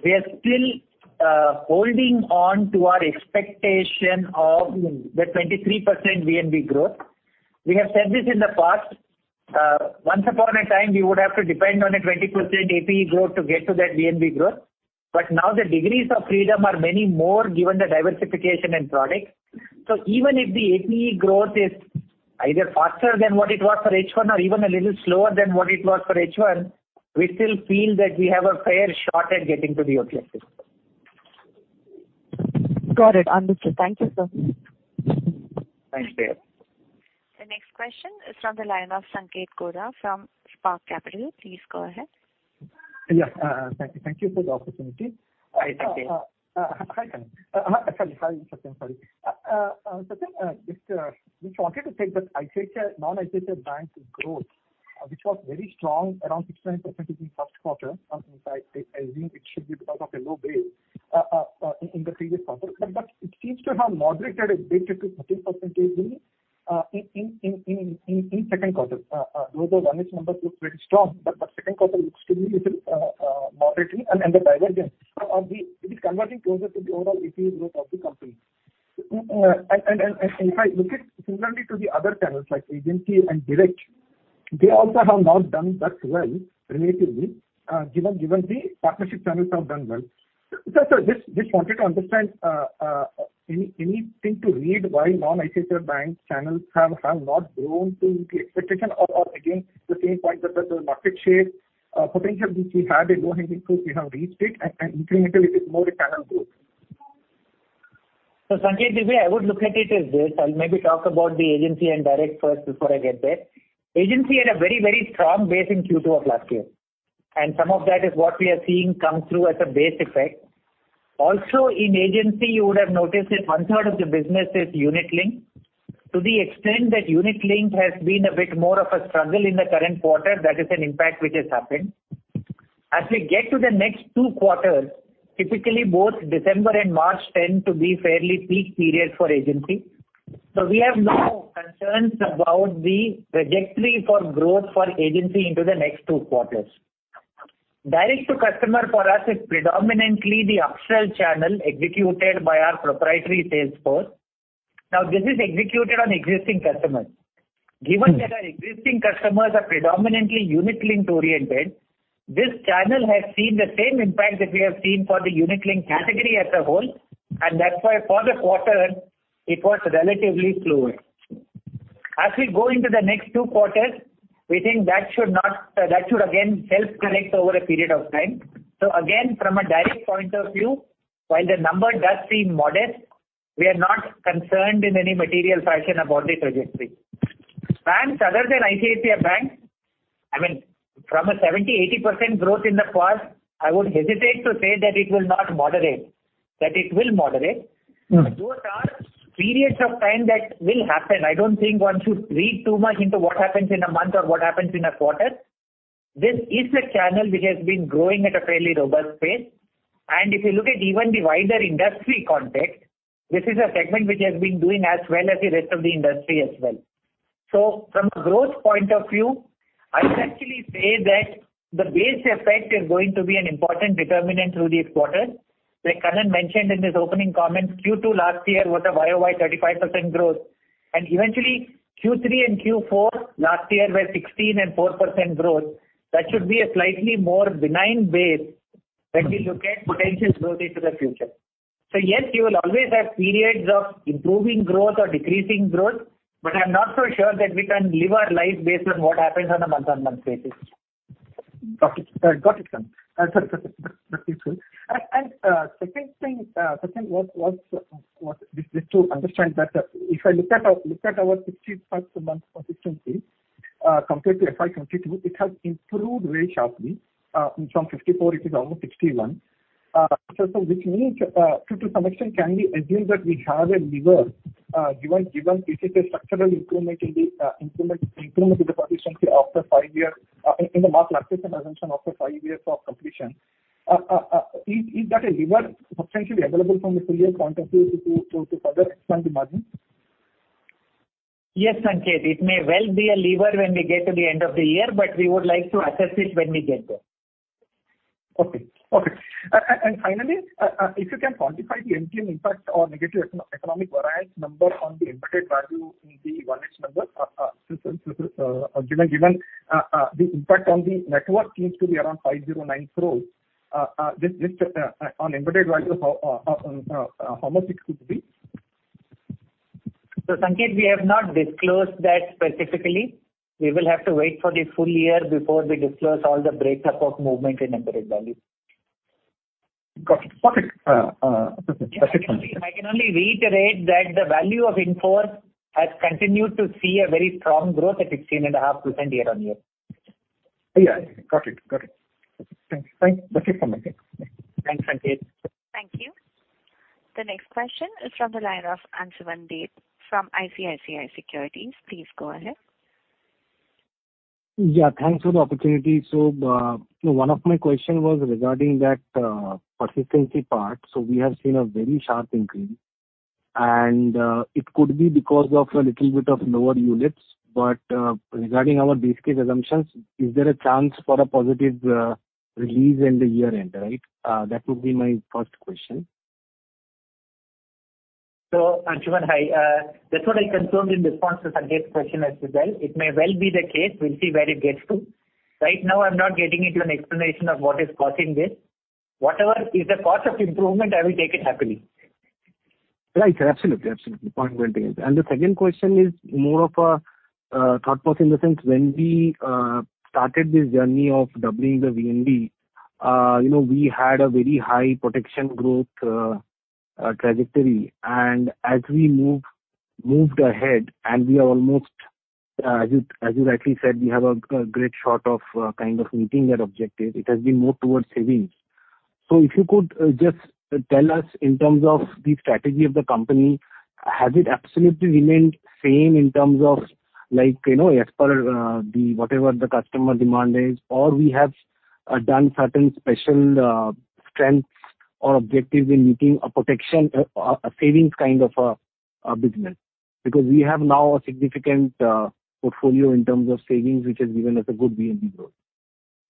We are still holding on to our expectation of the 23% VNB growth. We have said this in the past. Once upon a time, we would have to depend on a 20% APE growth to get to that VNB growth. Now the degrees of freedom are many more given the diversification in product. Even if the APE growth is either faster than what it was for H1 or even a little slower than what it was for H1, we still feel that we have a fair shot at getting to the objective. Got it. Understood. Thank you, sir. Thanks, Shreya. The next question is from the line of Sanket Godha from Spark Capital. Please go ahead. Yeah. Thank you. Thank you for the opportunity. Hi, Sanket. Hi, Satyan. Sorry. Just wanted to check that ICICI, non-ICICI banks growth, which was very strong around 6-7% in first quarter. In fact, I think it should be because of a low base in the previous quarter. It seems to have moderated a bit to 13% yearly in second quarter. Those 1H numbers look very strong, but the second quarter looks to be a little moderating and the divergence. It is converging closer to the overall APE growth of the company. If I look at similarly to the other channels like agency and direct, they also have not done that well relatively, given the partnership channels have done well. Sir, just wanted to understand, anything to read why non-ICICI banks channels have not grown to the expectation or again the same point that the market share potential which we had in low hanging fruit, we have reached it and incrementally bit more the channel growth. Sanket, the way I would look at it is this. I'll maybe talk about the agency and direct first before I get there. Agency had a very, very strong base in Q2 of last year, and some of that is what we are seeing come through as a base effect. Also in agency, you would have noticed that one-third of the business is unit linked. To the extent that unit linked has been a bit more of a struggle in the current quarter, that is an impact which has happened. As we get to the next two quarters, typically both December and March tend to be fairly peak period for agency. We have no concerns about the trajectory for growth for agency into the next two quarters. Direct to customer for us is predominantly the upsell channel executed by our proprietary sales force. Now, this is executed on existing customers. Given that our existing customers are predominantly unit linked oriented, this channel has seen the same impact that we have seen for the unit link category as a whole, and that's why for the quarter it was relatively slower. As we go into the next two quarters, we think that should again self-correct over a period of time. Again, from a direct point of view, while the number does seem modest, we are not concerned in any material fashion about the trajectory. Banks other than ICICI Bank, I mean, from a 70%-80% growth in the past, I would hesitate to say that it will not moderate. That it will moderate. Mm-hmm. Those are periods of time that will happen. I don't think one should read too much into what happens in a month or what happens in a quarter. This is a channel which has been growing at a fairly robust pace. If you look at even the wider industry context, this is a segment which has been doing as well as the rest of the industry as well. From a growth point of view, I would actually say that the base effect is going to be an important determinant through this quarter. Like Kannan mentioned in his opening comments, Q2 last year was a YOY 35% growth, and eventually Q3 and Q4 last year were 16% and 4% growth. That should be a slightly more benign base when we look at potential growth into the future. Yes, you will always have periods of improving growth or decreasing growth, but I'm not so sure that we can live our life based on what happens on a month-on-month basis. Got it, San. That's useful. Second thing, just to understand that, if I looked at our 65-month consistency, compared to FY 2022, it has improved very sharply, from 54, it is almost 61. So which means, to some extent can we assume that we have a lever, given this is a structural improvement in the improvement in the consistency after five years, in the mark-to-market assumption after five years of completion. Is that a lever substantially available from the full year point of view to further expand the margin? Yes, Sanket, it may well be a lever when we get to the end of the year, but we would like to assess it when we get there. Finally, if you can quantify the MCEV impact or negative macro-economic variance number on the embedded value in the 1x number, given the impact on the net worth seems to be around 509 crore. This on embedded value, how much it could be? Sanket, we have not disclosed that specifically. We will have to wait for the full year before we disclose all the breakup of movement in embedded value. Got it. Perfect. I can only reiterate that the value of in force has continued to see a very strong growth at 16.5% year-on-year. Yeah. Got it. Thank you. Thanks. That's it from my end. Thanks, Sanket. Thank you. The next question is from the line of Ansuman Deb from ICICI Securities. Please go ahead. Yeah, thanks for the opportunity. One of my questions was regarding that persistency part. We have seen a very sharp increase and it could be because of a little bit of lower units. Regarding our base case assumptions, is there a chance for a positive release in the year-end, right? That would be my first question. Ansuman, hi. That's what I confirmed in response to Sanket's question as well. It may well be the case. We'll see where it gets to. Right now, I'm not getting into an explanation of what is causing this. Whatever is the cause of improvement, I will take it happily. Right. Absolutely. Point well taken. The second question is more of a thought process in the sense when we started this journey of doubling the VNB, you know, we had a very high protection growth trajectory. As we moved ahead, we are almost, as you rightly said, we have a great shot of kind of meeting that objective. It has been more towards savings. If you could just tell us in terms of the strategy of the company, has it absolutely remained same in terms of like, you know, as per the whatever the customer demand is or we have done certain special strengths or objectives in meeting a protection, a savings kind of a business. Because we have now a significant portfolio in terms of savings, which has given us a good VNB growth.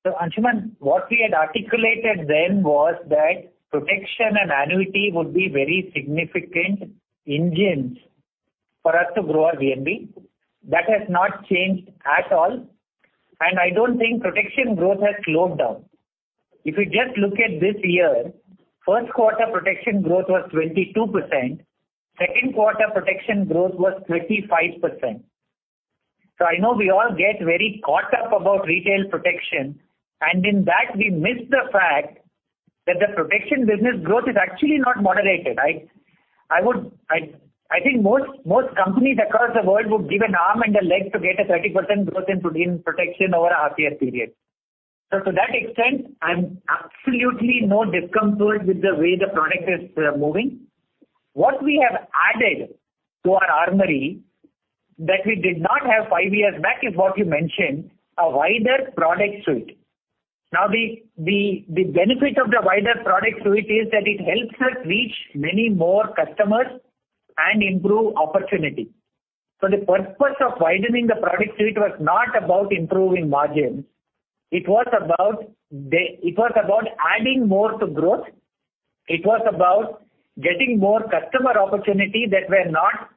Ansuman, what we had articulated then was that protection and annuity would be very significant engines for us to grow our VNB. That has not changed at all, and I don't think protection growth has slowed down. If you just look at this year, first quarter protection growth was 22%, second quarter protection growth was 25%. I know we all get very caught up about retail protection, and in that we miss the fact that the protection business growth is actually not moderated, right? I think most companies across the world would give an arm and a leg to get a 30% growth in protection over a half year period. To that extent, I'm absolutely no discomfort with the way the product is moving. What we have added to our armory that we did not have five years back is what you mentioned, a wider product suite. Now, the benefit of the wider product suite is that it helps us reach many more customers and improve opportunity. The purpose of widening the product suite was not about improving margins, it was about adding more to growth. It was about getting more customer opportunity that were not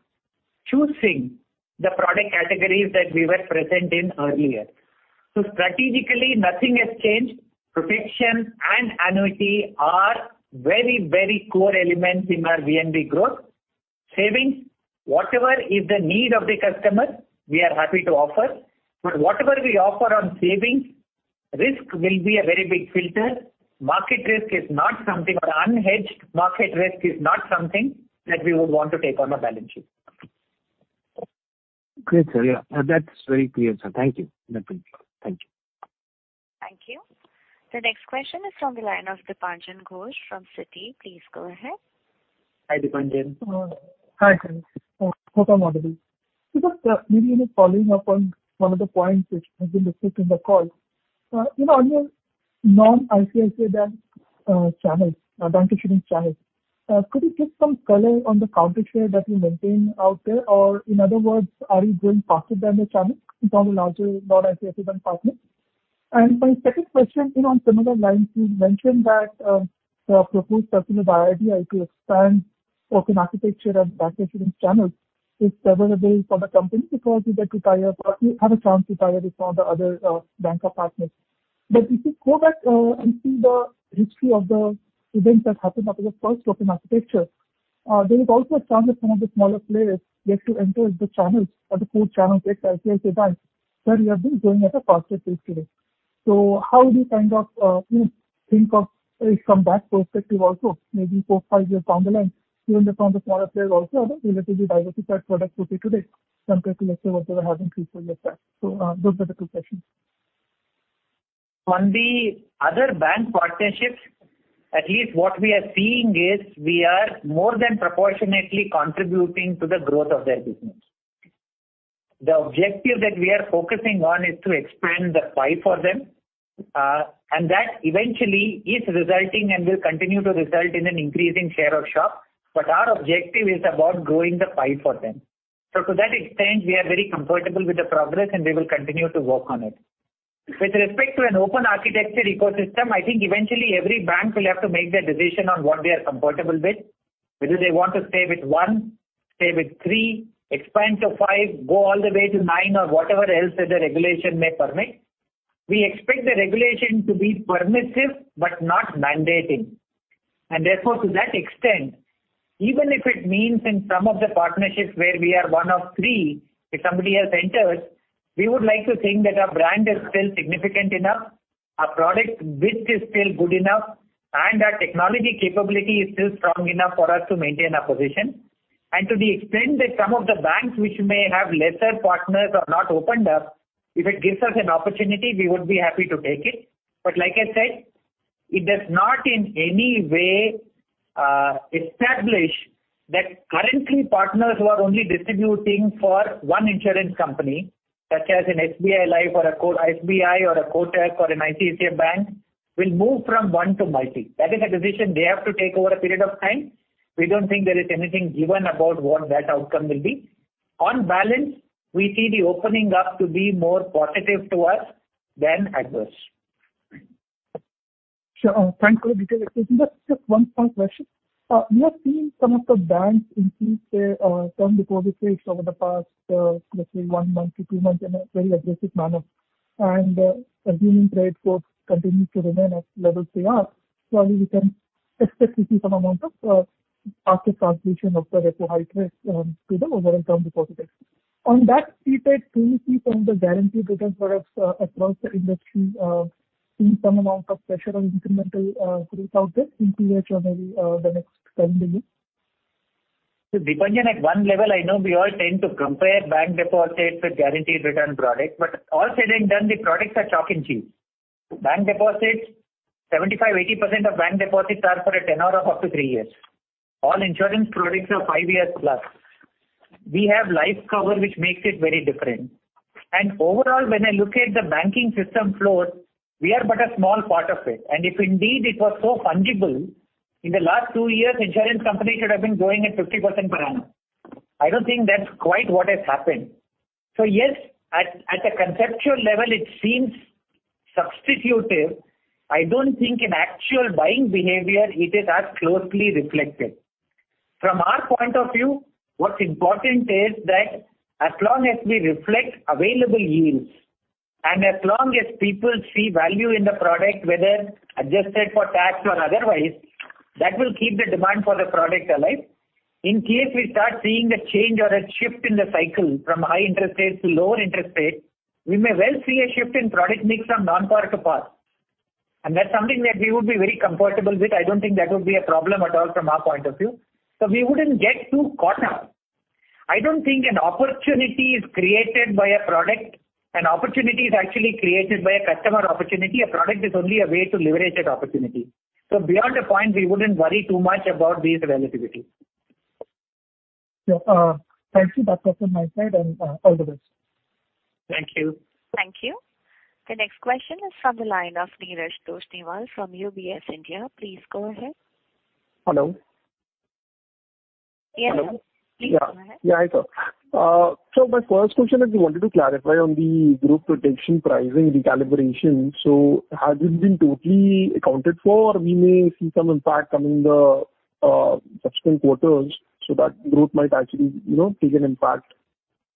choosing the product categories that we were present in earlier. Strategically, nothing has changed. Protection and annuity are very, very core elements in our VNB growth. Savings, whatever is the need of the customer, we are happy to offer. Whatever we offer on savings, risk will be a very big filter. Market risk is not something, or unhedged market risk is not something that we would want to take on our balance sheet. Great, sir. Yeah. That's very clear, sir. Thank you. That will be. Thank you. Thank you. The next question is from the line of Dipanjan Ghosh from Citi. Please go ahead. Hi, Deepanjan. Hi, Dipanjan. Hi. Maybe, you know, following up on one of the points which has been listed in the call. You know, on your non-ICICI bank channels, bank insurance channels, could you give some color on the market share that you maintain out there? Or in other words, are you growing faster than the channel in terms of larger non-ICICI bank partners? My second question, you know, on similar lines, you mentioned that the proposed circular by IRDAI to expand open architecture of bank insurance channels is favorable for the company because you get to tie up or you have a chance to tie up with some of the other banker partners. If you go back and see the history of the events that happened after the first open architecture, there is also a chance that some of the smaller players get to enter the channels or the four channels with ICICI Bank where you have been growing at a faster pace today. How do you kind of, you know, think of it from that perspective also, maybe four, five years down the line, even from the smaller players also, I mean, relatively diversified products would be today compared to let's say whatever happened three, four years back. Those are the two questions. On the other bank partnerships, at least what we are seeing is we are more than proportionately contributing to the growth of their business. The objective that we are focusing on is to expand the pie for them, and that eventually is resulting and will continue to result in an increasing share of shelf, but our objective is about growing the pie for them. To that extent, we are very comfortable with the progress and we will continue to work on it. With respect to an open architecture ecosystem, I think eventually every bank will have to make their decision on what they are comfortable with. Whether they want to stay with one, stay with three, expand to five, go all the way to nine or whatever else that the regulation may permit. We expect the regulation to be permissive but not mandating. Therefore, to that extent, even if it means in some of the partnerships where we are one of three, if somebody has entered, we would like to think that our brand is still significant enough, our product width is still good enough, and our technology capability is still strong enough for us to maintain our position. To the extent that some of the banks which may have lesser partners or not opened up, if it gives us an opportunity, we would be happy to take it. Like I said, it does not in any way establish that currently partners who are only distributing for one insurance company, such as an SBI Life or a HDFC or a Kotak or an ICICI Bank, will move from one to multi. That is a decision they have to take over a period of time. We don't think there is anything given about what that outcome will be. On balance, we see the opening up to be more positive to us than adverse. Sure. Thanks for the detailed explanation. Just one small question. We have seen some of the banks increase their term deposit rates over the past, let's say one month to two months in a very aggressive manner. Assuming trade force continues to remain at levels they are, we can expect to see some amount of faster transmission of the repo rate hikes to the overall term deposit rates. On that, do you think, do you see from the guaranteed return products across the industry seeing some amount of pressure on incremental growth out there in Q4 or maybe the next seven days? Deepanjan at one level, I know we all tend to compare bank deposits with guaranteed return products, but all said and done, the products are chalk and cheese. Bank deposits, 75%-80% of bank deposits are for a tenure of up to 3 years. All insurance products are 5 years plus. We have life cover, which makes it very different. Overall, when I look at the banking system flows, we are but a small part of it. If indeed it was so fungible, in the last 2 years, insurance companies should have been growing at 50% per annum. I don't think that's quite what has happened. Yes, at a conceptual level, it seems substitutive. I don't think in actual buying behavior it is as closely reflected. From our point of view, what's important is that as long as we reflect available yields and as long as people see value in the product, whether adjusted for tax or otherwise, that will keep the demand for the product alive. In case we start seeing a change or a shift in the cycle from high interest rates to lower interest rates, we may well see a shift in product mix from non-par to par. That's something that we would be very comfortable with. I don't think that would be a problem at all from our point of view. We wouldn't get too caught up. I don't think an opportunity is created by a product. An opportunity is actually created by a customer opportunity. A product is only a way to leverage that opportunity. Beyond a point, we wouldn't worry too much about these relativities. Sure. Thank you. That's all from my side and all the best. Thank you. Thank you. The next question is from the line of Neeraj Toshniwal from UBS India. Please go ahead. Hello. Yes. Hello. Please go ahead. Yeah. I thought. My first question is we wanted to clarify on the group protection pricing recalibration. Has it been totally accounted for? We may see some impact coming in the subsequent quarters so that group might actually, you know, take an impact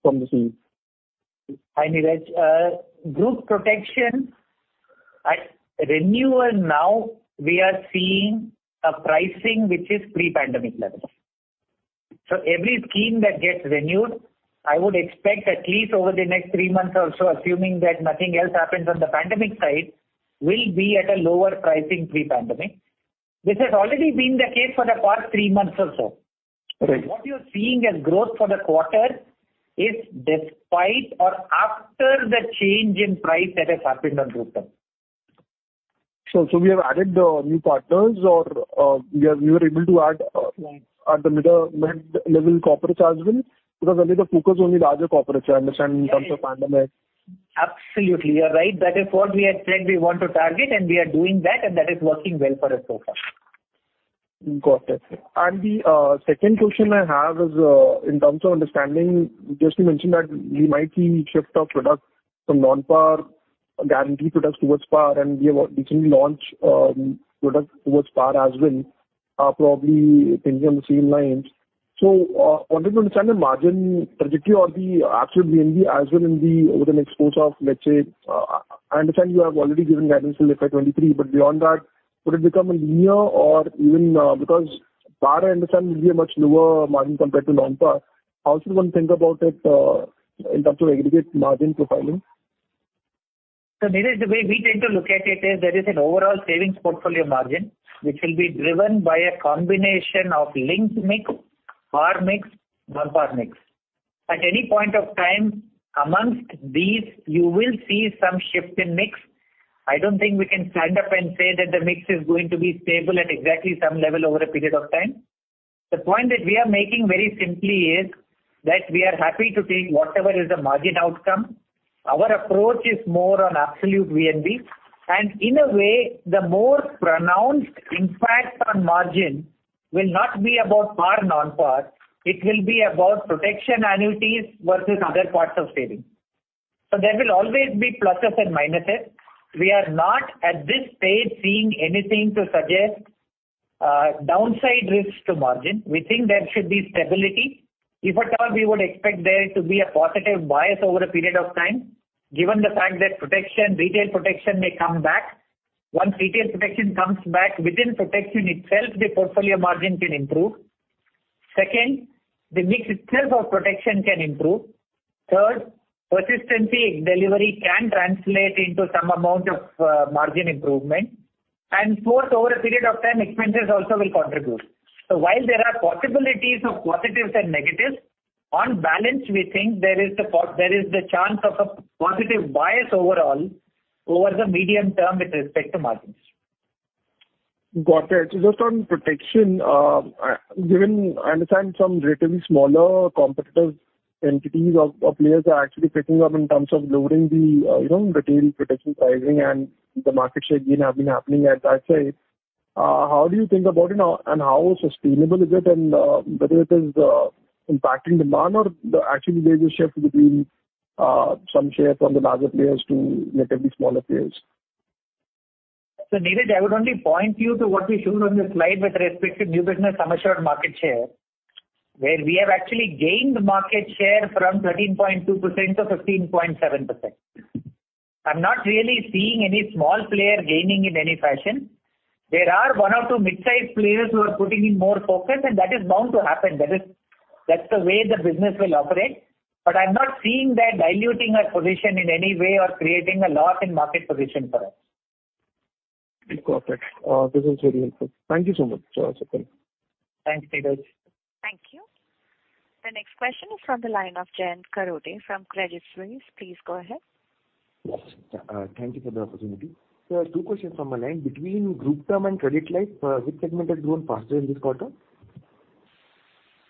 from the same. Hi, Neeraj. Group protection at renewal now we are seeing a pricing which is pre-pandemic levels. Every scheme that gets renewed, I would expect at least over the next three months or so, assuming that nothing else happens on the pandemic side, will be at a lower pricing pre-pandemic. This has already been the case for the past three months or so. Right. What you're seeing as growth for the quarter is despite or after the change in price that has happened on group term. We have added the new partners or we were able to add at the middle, mid-level corporates as well because earlier the focus was only larger corporates. I understand in terms of pandemic. Yes. Absolutely, you're right. That is what we had said we want to target, and we are doing that, and that is working well for us so far. Got it. The second question I have is, in terms of understanding, just you mentioned that we might see shift of products from non-par guarantee products towards par, and we have recently launched products towards par as well, probably thinking on the same lines. Wanted to understand the margin trajectory or the absolute VNB as well in the over the next course of, let's say, I understand you have already given guidance till FY 2023, but beyond that, would it become a linear or even, because par I understand will be a much lower margin compared to non-par. How should one think about it in terms of aggregate margin profiling? Neeraj, the way we tend to look at it is there is an overall savings portfolio margin which will be driven by a combination of linked mix, par mix, non-par mix. At any point of time amongst these, you will see some shift in mix. I don't think we can stand up and say that the mix is going to be stable at exactly some level over a period of time. The point that we are making very simply is that we are happy to take whatever is the margin outcome. Our approach is more on absolute VNB, and in a way, the more pronounced impact on margin will not be about par, non-par. It will be about protection annuities versus other parts of savings. There will always be pluses and minuses. We are not at this stage seeing anything to suggest downside risks to margin. We think there should be stability. If at all, we would expect there to be a positive bias over a period of time, given the fact that protection, retail protection may come back. Once retail protection comes back, within protection itself, the portfolio margin can improve. Second, the mix itself of protection can improve. Third, persistency in delivery can translate into some amount of margin improvement. Fourth, over a period of time, expenses also will contribute. While there are possibilities of positives and negatives, on balance, we think there is the chance of a positive bias overall over the medium term with respect to margins. Got it. Just on protection, given I understand some relatively smaller competitors, entities or players are actually picking up in terms of lowering the, you know, retail protection pricing and the market share gain have been happening as I say. How do you think about it now and how sustainable is it and whether it is impacting demand or actually there's a shift between some share from the larger players to relatively smaller players? Neeraj, I would only point you to what we showed on the slide with respect to new business commercial and market share, where we have actually gained market share from 13.2% to 15.7%. I'm not really seeing any small player gaining in any fashion. There are one or two mid-sized players who are putting in more focus, and that is bound to happen. That is, that's the way the business will operate. I'm not seeing that diluting our position in any way or creating a loss in market position for us. Got it. This is very helpful. Thank you so much. Thanks, Neeraj. Thank you. The next question is from the line of Jayant Kharode from Credit Suisse. Please go ahead. Yes. Thank you for the opportunity. Two questions from my line. Between group term and credit life, which segment has grown faster in this quarter?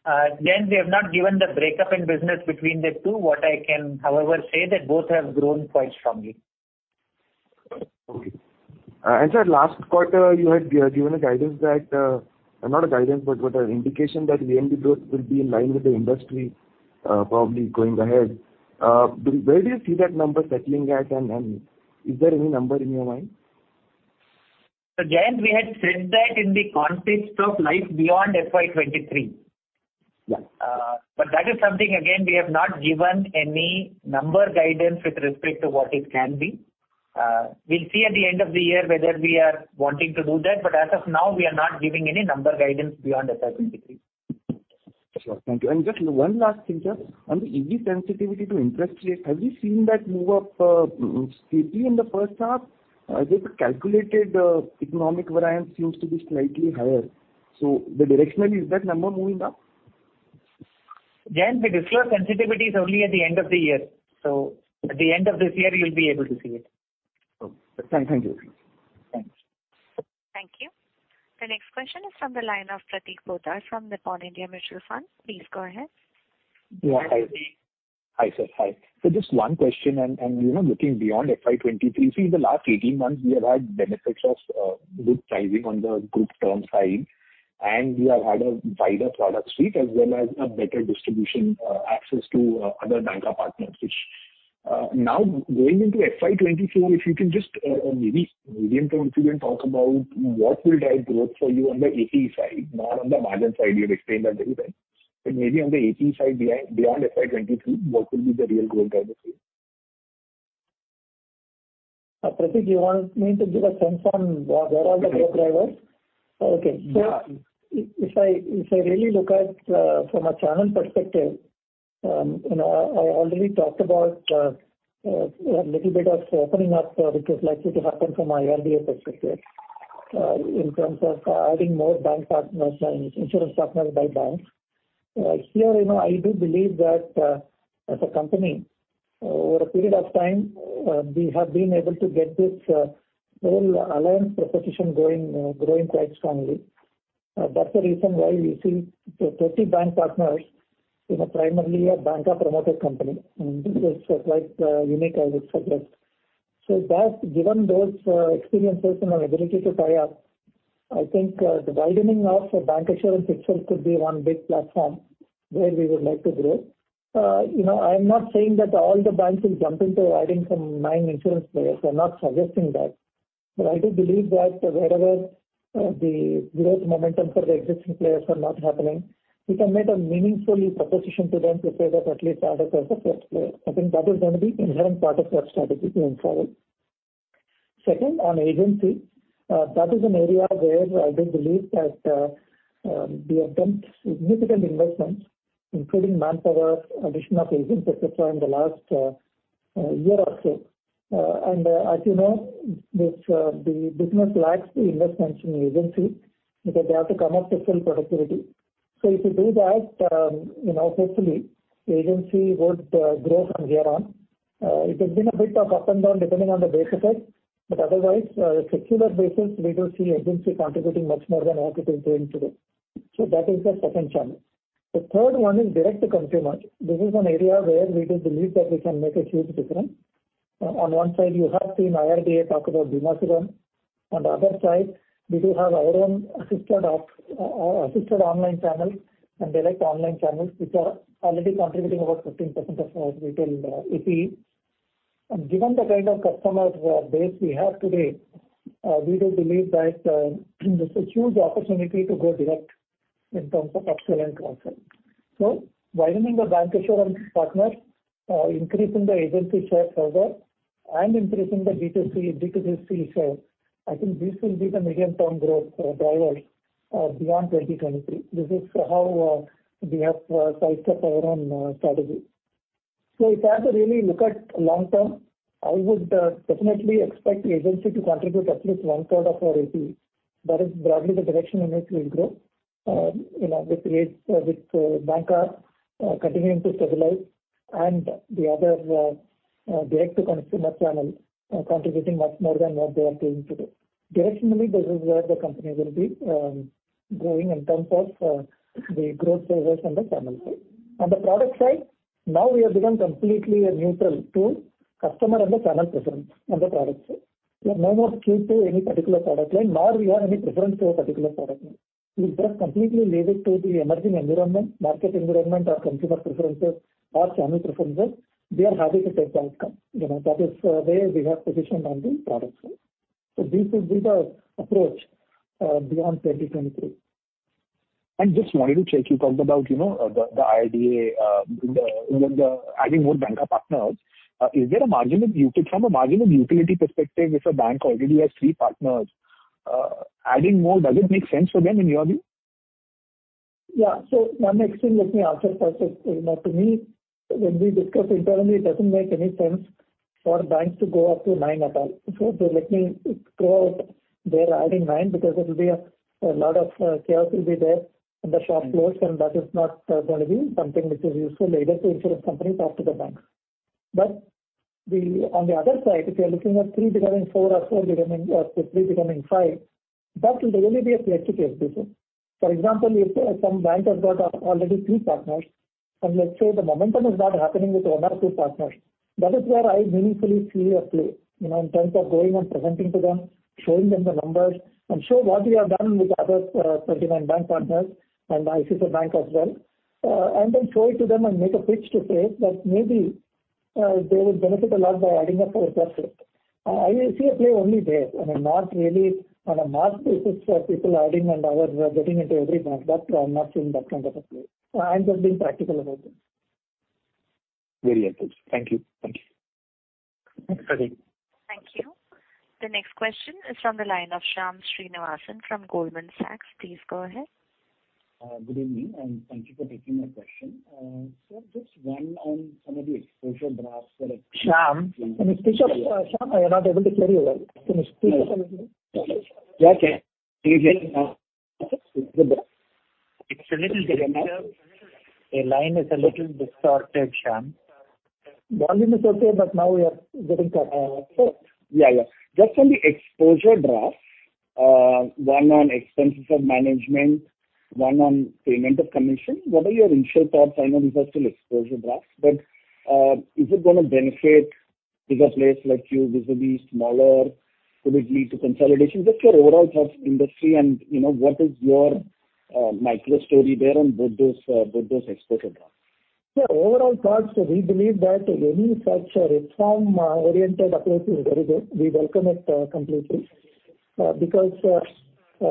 Jayant, we have not given the breakup in business between the two. What I can, however, say that both have grown quite strongly. Okay. Sir, last quarter you had given a guidance that, not a guidance, but what an indication that VNB growth will be in line with the industry, probably going ahead. Where do you see that number settling at and is there any number in your mind? Jayant, we had said that in the context of life beyond FY 2023. Yeah. That is something again. We have not given any number guidance with respect to what it can be. We'll see at the end of the year whether we are wanting to do that, but as of now we are not giving any number guidance beyond FY 2023. Sure. Thank you. Just one last thing, sir. On the EV sensitivity to interest rate, have you seen that move up steeply in the first half? I think the calculated economic variance seems to be slightly higher. Directionally, is that number moving up? Jayant, we disclose sensitivities only at the end of the year. At the end of this year you'll be able to see it. Okay. Thank you. Thanks. The next question is from the line of Pratik Poddar from Nippon India Mutual Fund. Please go ahead. Yeah. Hi. Hi, sir. Hi. Just one question and, you know, looking beyond FY 2023, in the last 18 months we have had benefits of good pricing on the group term side, and we have had a wider product suite as well as a better distribution access to other banker partners, which now going into FY 2024, if you can just maybe medium term, if you can talk about what will drive growth for you on the APE side, not on the margin side, you have explained that very well. Maybe on the APE side beyond FY 2023, what will be the real growth driver for you? Pratik, you want me to give a sense on what are all the growth drivers? Yeah. Okay. If I really look at from a channel perspective, you know, I already talked about a little bit of opening up which is likely to happen from IRDAI perspective in terms of adding more bank partners and insurance partners by banks. Here, you know, I do believe that as a company over a period of time we have been able to get this whole alliance proposition growing quite strongly. That's the reason why we see 30 bank partners, you know, primarily a banker promoted company. This is quite unique, I would suggest. That given those experiences and our ability to tie up, I think the widening of bank insurance itself could be one big platform where we would like to grow. You know, I am not saying that all the banks will jump into adding some new insurance players. I'm not suggesting that. I do believe that wherever the growth momentum for the existing players are not happening, we can make a meaningful proposition to them to say that at least add us as a first player. I think that is going to be inherent part of our strategy going forward. Second, on agency, that is an area where I do believe that we have done significant investments, including manpower, addition of agents et cetera in the last year or so. As you know, the business lags the investments in agency because they have to come up to full productivity. If you do that, you know, hopefully agency would grow from here on. It has been a bit of up and down depending on the base effect, but otherwise, secular basis, we do see agency contributing much more than what it is doing today. So that is the second channel. The third one is direct to consumer. This is one area where we do believe that we can make a huge difference. On one side you have seen IRDAI talk about Bima Sugam. On the other side, we do have our own assisted online channels and direct online channels which are already contributing about 15% of our retail APE. Given the kind of customer base we have today, we do believe that, there's a huge opportunity to go direct in terms of up-sell and cross-sell. Widening the bancassurance partners, increasing the agency share further and increasing the B2C and D2C share. I think this will be the medium term growth drivers beyond 2023. This is how we have sized up our own strategy. If I have to really look at long term, I would definitely expect agency to contribute at least 1/3 of our APE. That is broadly the direction in which we'll grow. You know, with bancassurance continuing to stabilize and the other direct to consumer channel contributing much more than what they are doing today. Directionally, this is where the company will be growing in terms of the growth drivers and the channel side. On the product side, now we have become completely a neutral to customer and the channel preference on the product side. We are no more skewed to any particular product line, nor we have any preference to a particular product line. We just completely leave it to the emerging environment, market environment or consumer preferences or channel preferences. We are happy to take the outcome. You know, that is, where we have positioned on the product side. This will be the approach, beyond 2023. Just wanted to check, you talked about, you know, the IRDAI, you know, adding more banker partners. Is there a marginal utility perspective, if a bank already has three partners, adding more, does it make sense for them in your view? Yeah. One extreme, let me answer first. You know, to me, when we discuss internally, it doesn't make any sense for banks to go up to nine at all. Let me throw out there adding nine because it'll be a lot of chaos will be there and the shop floors, and that is not going to be something which is useful either to insurance companies or to the banks. On the other side, if you are looking at three becoming four or four becoming or three becoming five, that will really be a case to case basis. For example, if some bank has got already three partners, and let's say the momentum is not happening with one or two partners, that is where I meaningfully see a play, you know, in terms of going and presenting to them, showing them the numbers and show what we have done with other 39 bank partners and ICICI Bank as well. And then show it to them and make a pitch to say that maybe they would benefit a lot by adding a fourth partner. I see a play only there. I mean, not really on a mass basis for people adding and ours are getting into every bank. I'm not seeing that kind of a play. I'm just being practical about this. Very helpful. Thank you. Thank you. Thanks, Pratik. Thank you. The next question is from the line of Shyam Srinivasan from Goldman Sachs. Please go ahead. Good evening, and thank you for taking my question. Sir, just one on some of the exposure drafts that Shyam, can you speak up, Shyam? I'm not able to hear you well. Can you speak up a little bit? Okay. Can you hear me now? It's a little difficult. A line is a little distorted, Shyam. Volume is okay, but now we are getting cut. Just on the exposure draft, one on expenses of management, one on payment of commission. What are your initial thoughts? I know these are still exposure drafts, but is it gonna benefit bigger players like you vis-a-vis smaller? Will it lead to consolidation? Just your overall thoughts on the industry and, you know, what is your macro story there on both those exposure drafts. Overall thoughts, we believe that any such reform oriented approach is very good. We welcome it completely. Because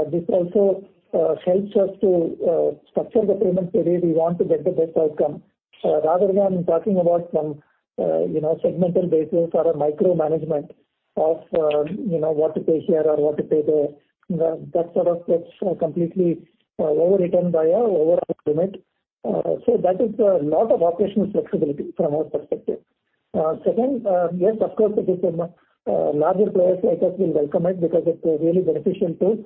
this also helps us to structure the payment the way we want to get the best outcome. Rather than talking about some, you know, segmental basis or a micromanagement of, you know, what to pay here or what to pay there. That sort of gets completely overwritten by our overall limit. That is a lot of operational flexibility from our perspective. Second, yes, of course, it is a larger players like us will welcome it because it's really beneficial to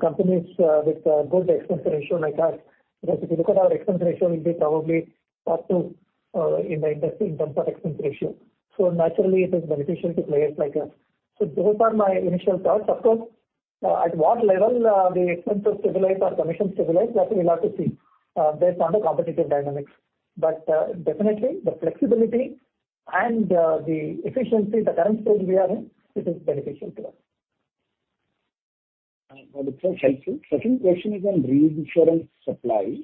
companies with a good expense ratio like us. Because if you look at our expense ratio will be probably top two in the industry in terms of expense ratio. Naturally it is beneficial to players like us. Those are my initial thoughts. Of course, at what level the expenses stabilize or commissions stabilize, that we'll have to see, based on the competitive dynamics. Definitely the flexibility and the efficiency, the current state we are in, it is beneficial to us. Got it, sir. Helpful. Second question is on reinsurance supplies.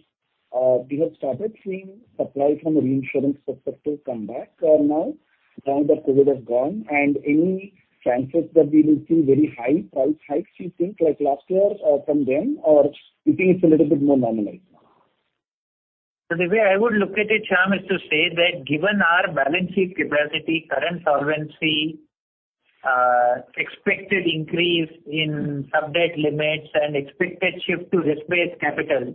We have started seeing supply from a reinsurance perspective come back now that COVID has gone. Any chances that we will see very high price hikes you think like last year, from them or you think it's a little bit more normalized now? The way I would look at it, Shyam, is to say that given our balance sheet capacity, current solvency, expected increase in subject limits and expected shift to risk-based capital,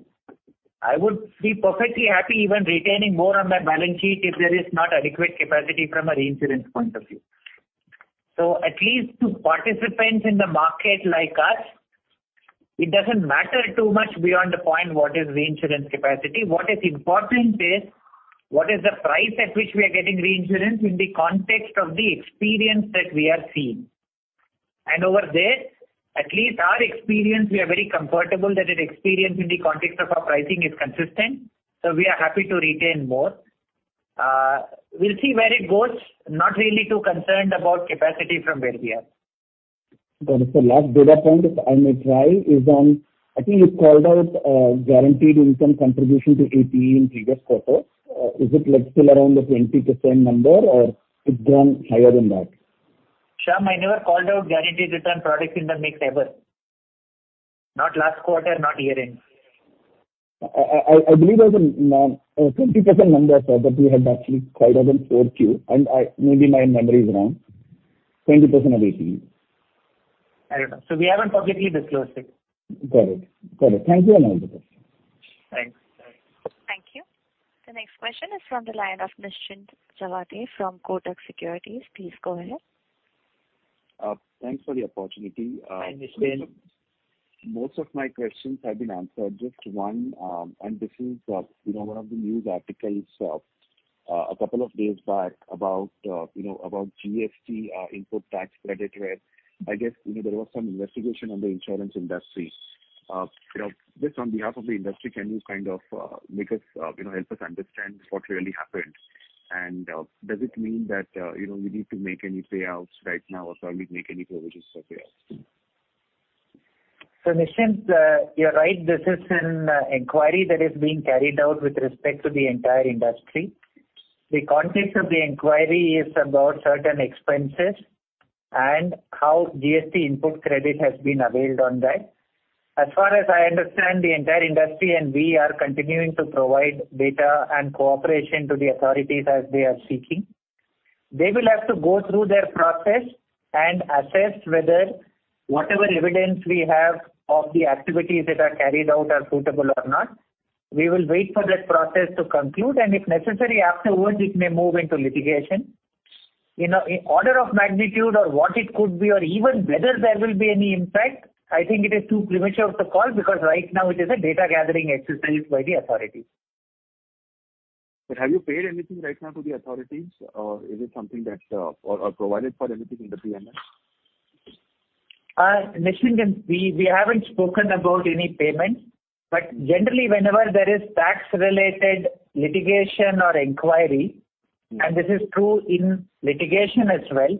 I would be perfectly happy even retaining more on my balance sheet if there is not adequate capacity from a reinsurance point of view. At least to participants in the market like us, it doesn't matter too much beyond the point what is reinsurance capacity. What is important is what is the price at which we are getting reinsurance in the context of the experience that we are seeing. Over there, at least our experience, we are very comfortable that its experience in the context of our pricing is consistent, so we are happy to retain more. We'll see where it goes. Not really too concerned about capacity from where we are. Got it. Sir, last data point, if I may try, is on I think you called out, guaranteed income contribution to APE in previous quarter. Is it like still around the 20% number or it's gone higher than that? Shyam, I never called out guaranteed return products in the mix ever. Not last quarter, not year end. I believe there's a 20% number, sir, that we had actually called out in fourth Q. Maybe my memory is wrong. 20% of APE. I don't know. We haven't publicly disclosed it. Got it. Thank you, and I withdraw. Thanks. Thank you. The next question is from the line of Nishant Javade from Kotak Securities. Please go ahead. Thanks for the opportunity. Hi, Nishant. Most of my questions have been answered. Just one, and this is, you know, one of the news articles, a couple of days back about, you know, about GST, input tax credit, where I guess, you know, there was some investigation on the insurance industry. You know, just on behalf of the industry, can you kind of, you know, help us understand what really happened? Does it mean that, you know, we need to make any payouts right now or probably make any provisions for payouts? Nishant, you're right. This is an inquiry that is being carried out with respect to the entire industry. The context of the inquiry is about certain expenses and how GST input credit has been availed on that. As far as I understand, the entire industry and we are continuing to provide data and cooperation to the authorities as they are seeking. They will have to go through their process and assess whether whatever evidence we have of the activities that are carried out are suitable or not. We will wait for that process to conclude and if necessary afterwards it may move into litigation. You know, in order of magnitude or what it could be or even whether there will be any impact, I think it is too premature to call because right now it is a data gathering exercise by the authorities. Have you paid anything right now to the authorities or is it something that provided for anything in the P&L? Nishant, we haven't spoken about any payment. Generally whenever there is tax related litigation or inquiry, and this is true in litigation as well,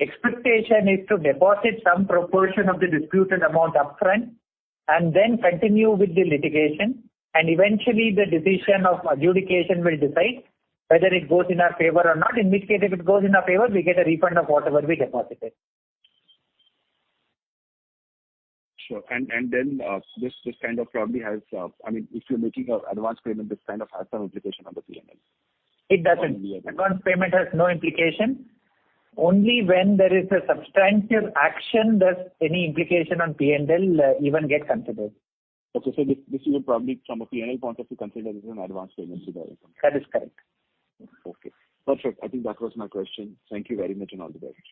expectation is to deposit some proportion of the disputed amount up front and then continue with the litigation. Eventually the decision of adjudication will decide whether it goes in our favor or not. In which case, if it goes in our favor, we get a refund of whatever we deposited. Sure. This kind of probably has, I mean, if you're making an advance payment, this kind of has some implication on the P&L. It doesn't. Yeah. Advance payment has no implication. Only when there is a substantive action does any implication on P&L even get considered. This you would probably from a P&L point of view consider as an advance payment to the authority. That is correct. Okay. Perfect. I think that was my question. Thank you very much and all the best.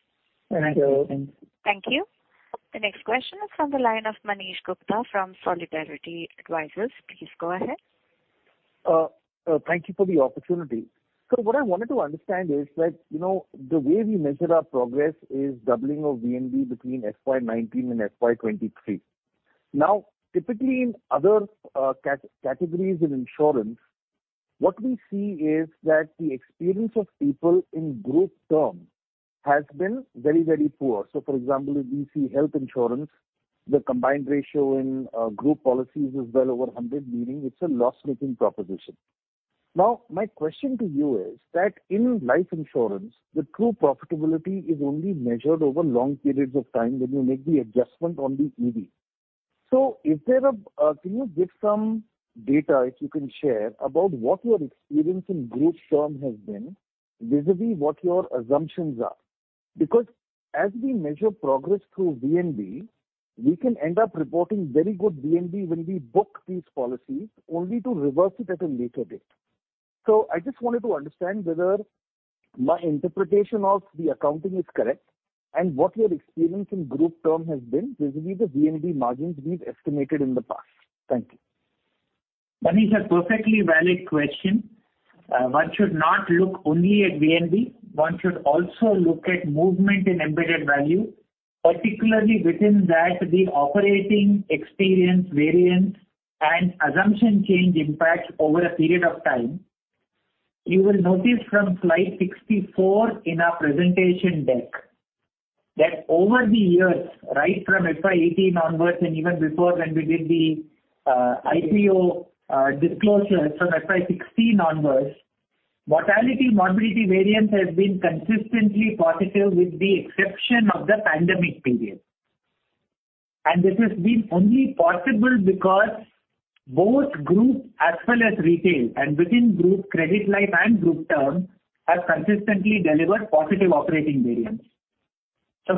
Thank you. Thank you. The next question is from the line of Manish Gupta from Solidarity Advisors. Please go ahead. Thank you for the opportunity. What I wanted to understand is that, you know, the way we measure our progress is doubling of VNB between FY 2019 and FY 2023. Now, typically in other, ca-categories in insurance, what we see is that the experience of people in group term has been very, very poor. For example, if we see health insurance, the combined ratio in, group policies is well over 100, meaning it's a loss-making proposition. Now, my question to you is that in life insurance, the true profitability is only measured over long periods of time when you make the adjustment on the EV. Is there a, can you give some data, if you can share, about what your experience in group term has been vis-à-vis what your assumptions are? Because as we measure progress through VNB, we can end up reporting very good VNB when we book these policies only to reverse it at a later date. I just wanted to understand whether my interpretation of the accounting is correct and what your experience in group term has been vis-à-vis the VNB margins we've estimated in the past. Thank you. Manish, a perfectly valid question. One should not look only at VNB. One should also look at movement in embedded value, particularly within that the operating experience variance and assumption change impact over a period of time. You will notice from slide 64 in our presentation deck that over the years, right from FY 2018 onwards and even before when we did the IPO, disclosure from FY 2016 onwards, mortality, morbidity variance has been consistently positive with the exception of the pandemic period. This has been only possible because both group as well as retail and within group credit life and group term have consistently delivered positive operating variance.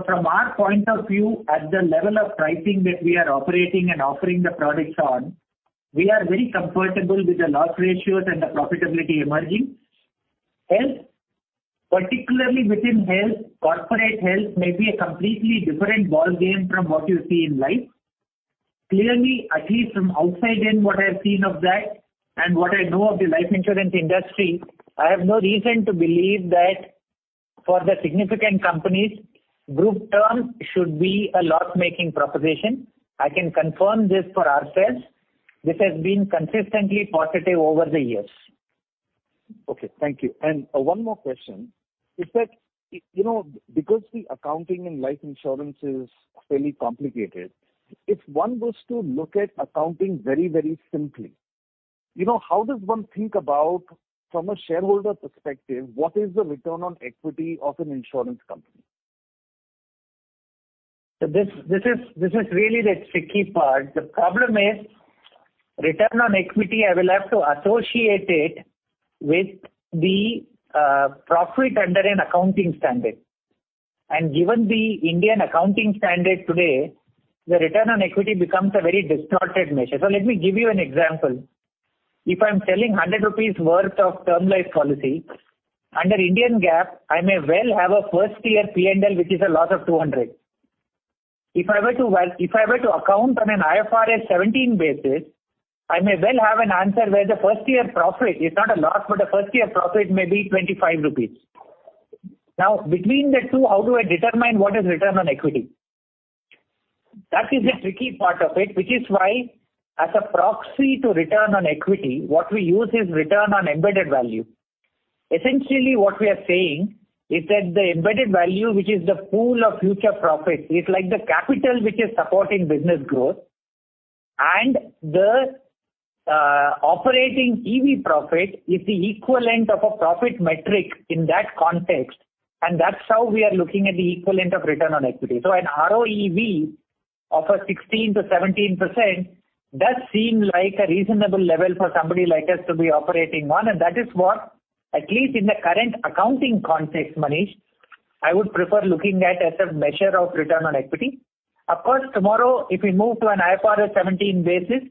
From our point of view, at the level of pricing that we are operating and offering the products on, we are very comfortable with the loss ratios and the profitability emerging. Health, particularly within health, corporate health may be a completely different ballgame from what you see in life. Clearly, at least from outside in what I have seen of that and what I know of the life insurance industry, I have no reason to believe that for the significant companies, group term should be a loss-making proposition. I can confirm this for ourselves. This has been consistently positive over the years. Okay. Thank you. One more question. Is that, you know, because the accounting in life insurance is fairly complicated, if one was to look at accounting very, very simply, you know, how does one think about from a shareholder perspective, what is the return on equity of an insurance company? This is really the tricky part. The problem is return on equity. I will have to associate it with the profit under an accounting standard. Given the Indian accounting standard today, the return on equity becomes a very distorted measure. Let me give you an example. If I'm selling 100 rupees worth of term life policy, under Indian GAAP, I may well have a first year P&L which is a loss of 200. If I were to account on an IFRS 17 basis, I may well have an answer where the first year profit is not a loss, but the first year profit may be 25 rupees. Now, between the two, how do I determine what is return on equity? That is the tricky part of it, which is why as a proxy to return on equity, what we use is return on embedded value. Essentially what we are saying is that the embedded value, which is the pool of future profits, it's like the capital which is supporting business growth and the operating EV profit is the equivalent of a profit metric in that context, and that's how we are looking at the equivalent of return on equity. An ROEV of 16%-17% does seem like a reasonable level for somebody like us to be operating on. That is what, at least in the current accounting context, Manish, I would prefer looking at as a measure of return on equity. Of course, tomorrow, if we move to an IFRS 17 basis,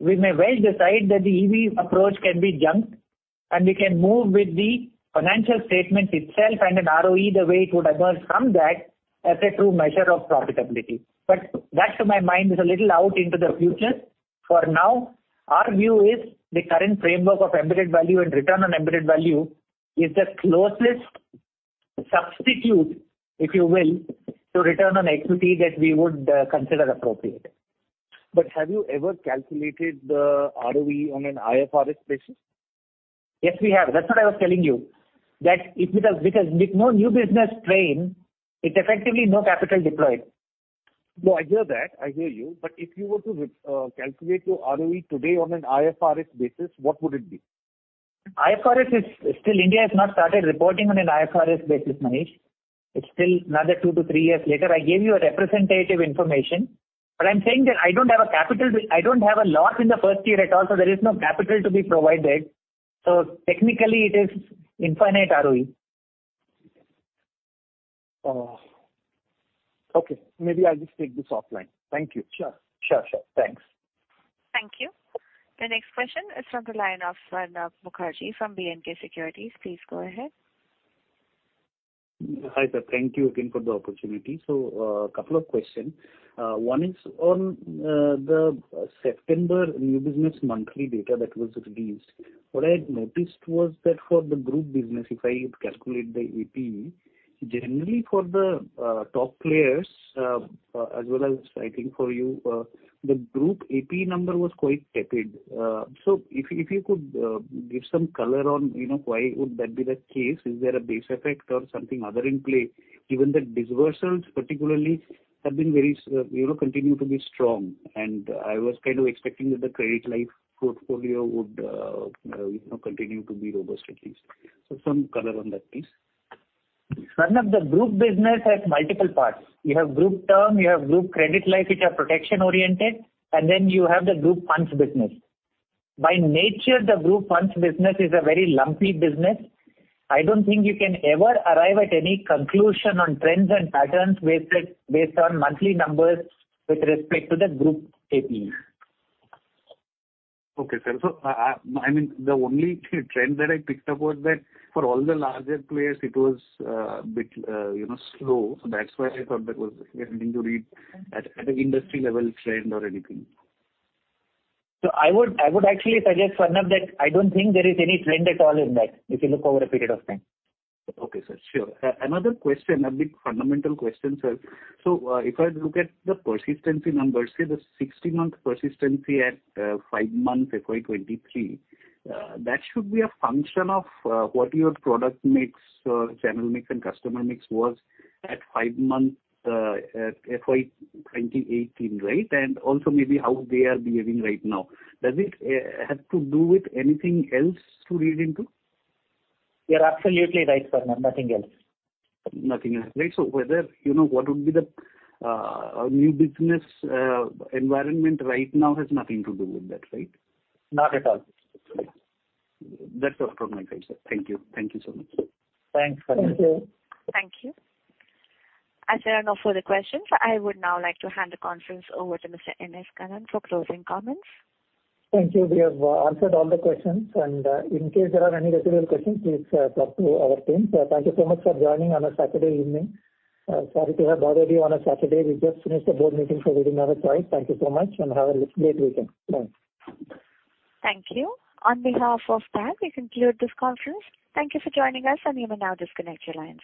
we may well decide that the EV approach can be junked and we can move with the financial statement itself and an ROE the way it would emerge from that as a true measure of profitability. That to my mind is a little out into the future. For now, our view is the current framework of embedded value and return on embedded value is the closest substitute, if you will, to return on equity that we would consider appropriate. Have you ever calculated the ROE on an IFRS basis? Yes, we have. That's what I was telling you. Because with no new business strain, it's effectively no capital deployed. No, I hear that. I hear you. If you were to calculate your ROE today on an IFRS basis, what would it be? IFRS is still. India has not started reporting on an IFRS basis, Manish. It's still another 2-3 years later. I gave you representative information, but I'm saying that I don't have a loss in the first year at all, so there is no capital to be provided. Technically it is infinite ROE. Oh. Okay. Maybe I'll just take this offline. Thank you. Sure. Thanks. Thank you. The next question is from the line of Saurabh Mukherjee from B&K Securities. Please go ahead. Hi, sir. Thank you again for the opportunity. Couple of questions. One is on the September new business monthly data that was released. What I had noticed was that for the group business, if I calculate the APE, generally for the top players, as well as I think for you, the group APE number was quite tepid. If you could give some color on, you know, why would that be the case? Is there a base effect or something else in play, given that disbursals particularly have been very strong, you know, continue to be strong. I was kind of expecting that the credit life portfolio would, you know, continue to be robust at least. Some color on that, please. Saurabh, the group business has multiple parts. You have group term, you have group credit life, which are protection-oriented, and then you have the group funds business. By nature, the group funds business is a very lumpy business. I don't think you can ever arrive at any conclusion on trends and patterns based on monthly numbers with respect to the group APE. Okay, sir. I mean, the only trend that I picked up was that for all the larger players, it was a bit, you know, slow. That's why I thought that was beginning to read as an industry level trend or anything. I would actually suggest, Saurabh, that I don't think there is any trend at all in that if you look over a period of time. Okay, sir. Sure. Another question, a bit fundamental question, sir. If I look at the persistency numbers, say the 60-month persistency at 5 months FY 2023, that should be a function of what your product mix, channel mix and customer mix was at 5 months at FY 2018, right? And also maybe how they are behaving right now. Does it have to do with anything else to read into? You're absolutely right, Saurabh. Nothing else. Nothing else, right? Whether, you know, what would be the new business environment right now has nothing to do with that, right? Not at all. That's all from my side, sir. Thank you. Thank you so much. Thanks, Saurabh. Thank you. As there are no further questions, I would now like to hand the conference over to Mr. N. S. Kannan for closing comments. Thank you. We have answered all the questions, and in case there are any residual questions, please talk to our team. Thank you so much for joining on a Saturday evening. Sorry to have bothered you on a Saturday. We just finished a board meeting, so we didn't have a choice. Thank you so much and have a great weekend. Bye. Thank you. On behalf of PAN, we conclude this conference. Thank you for joining us, and you may now disconnect your lines.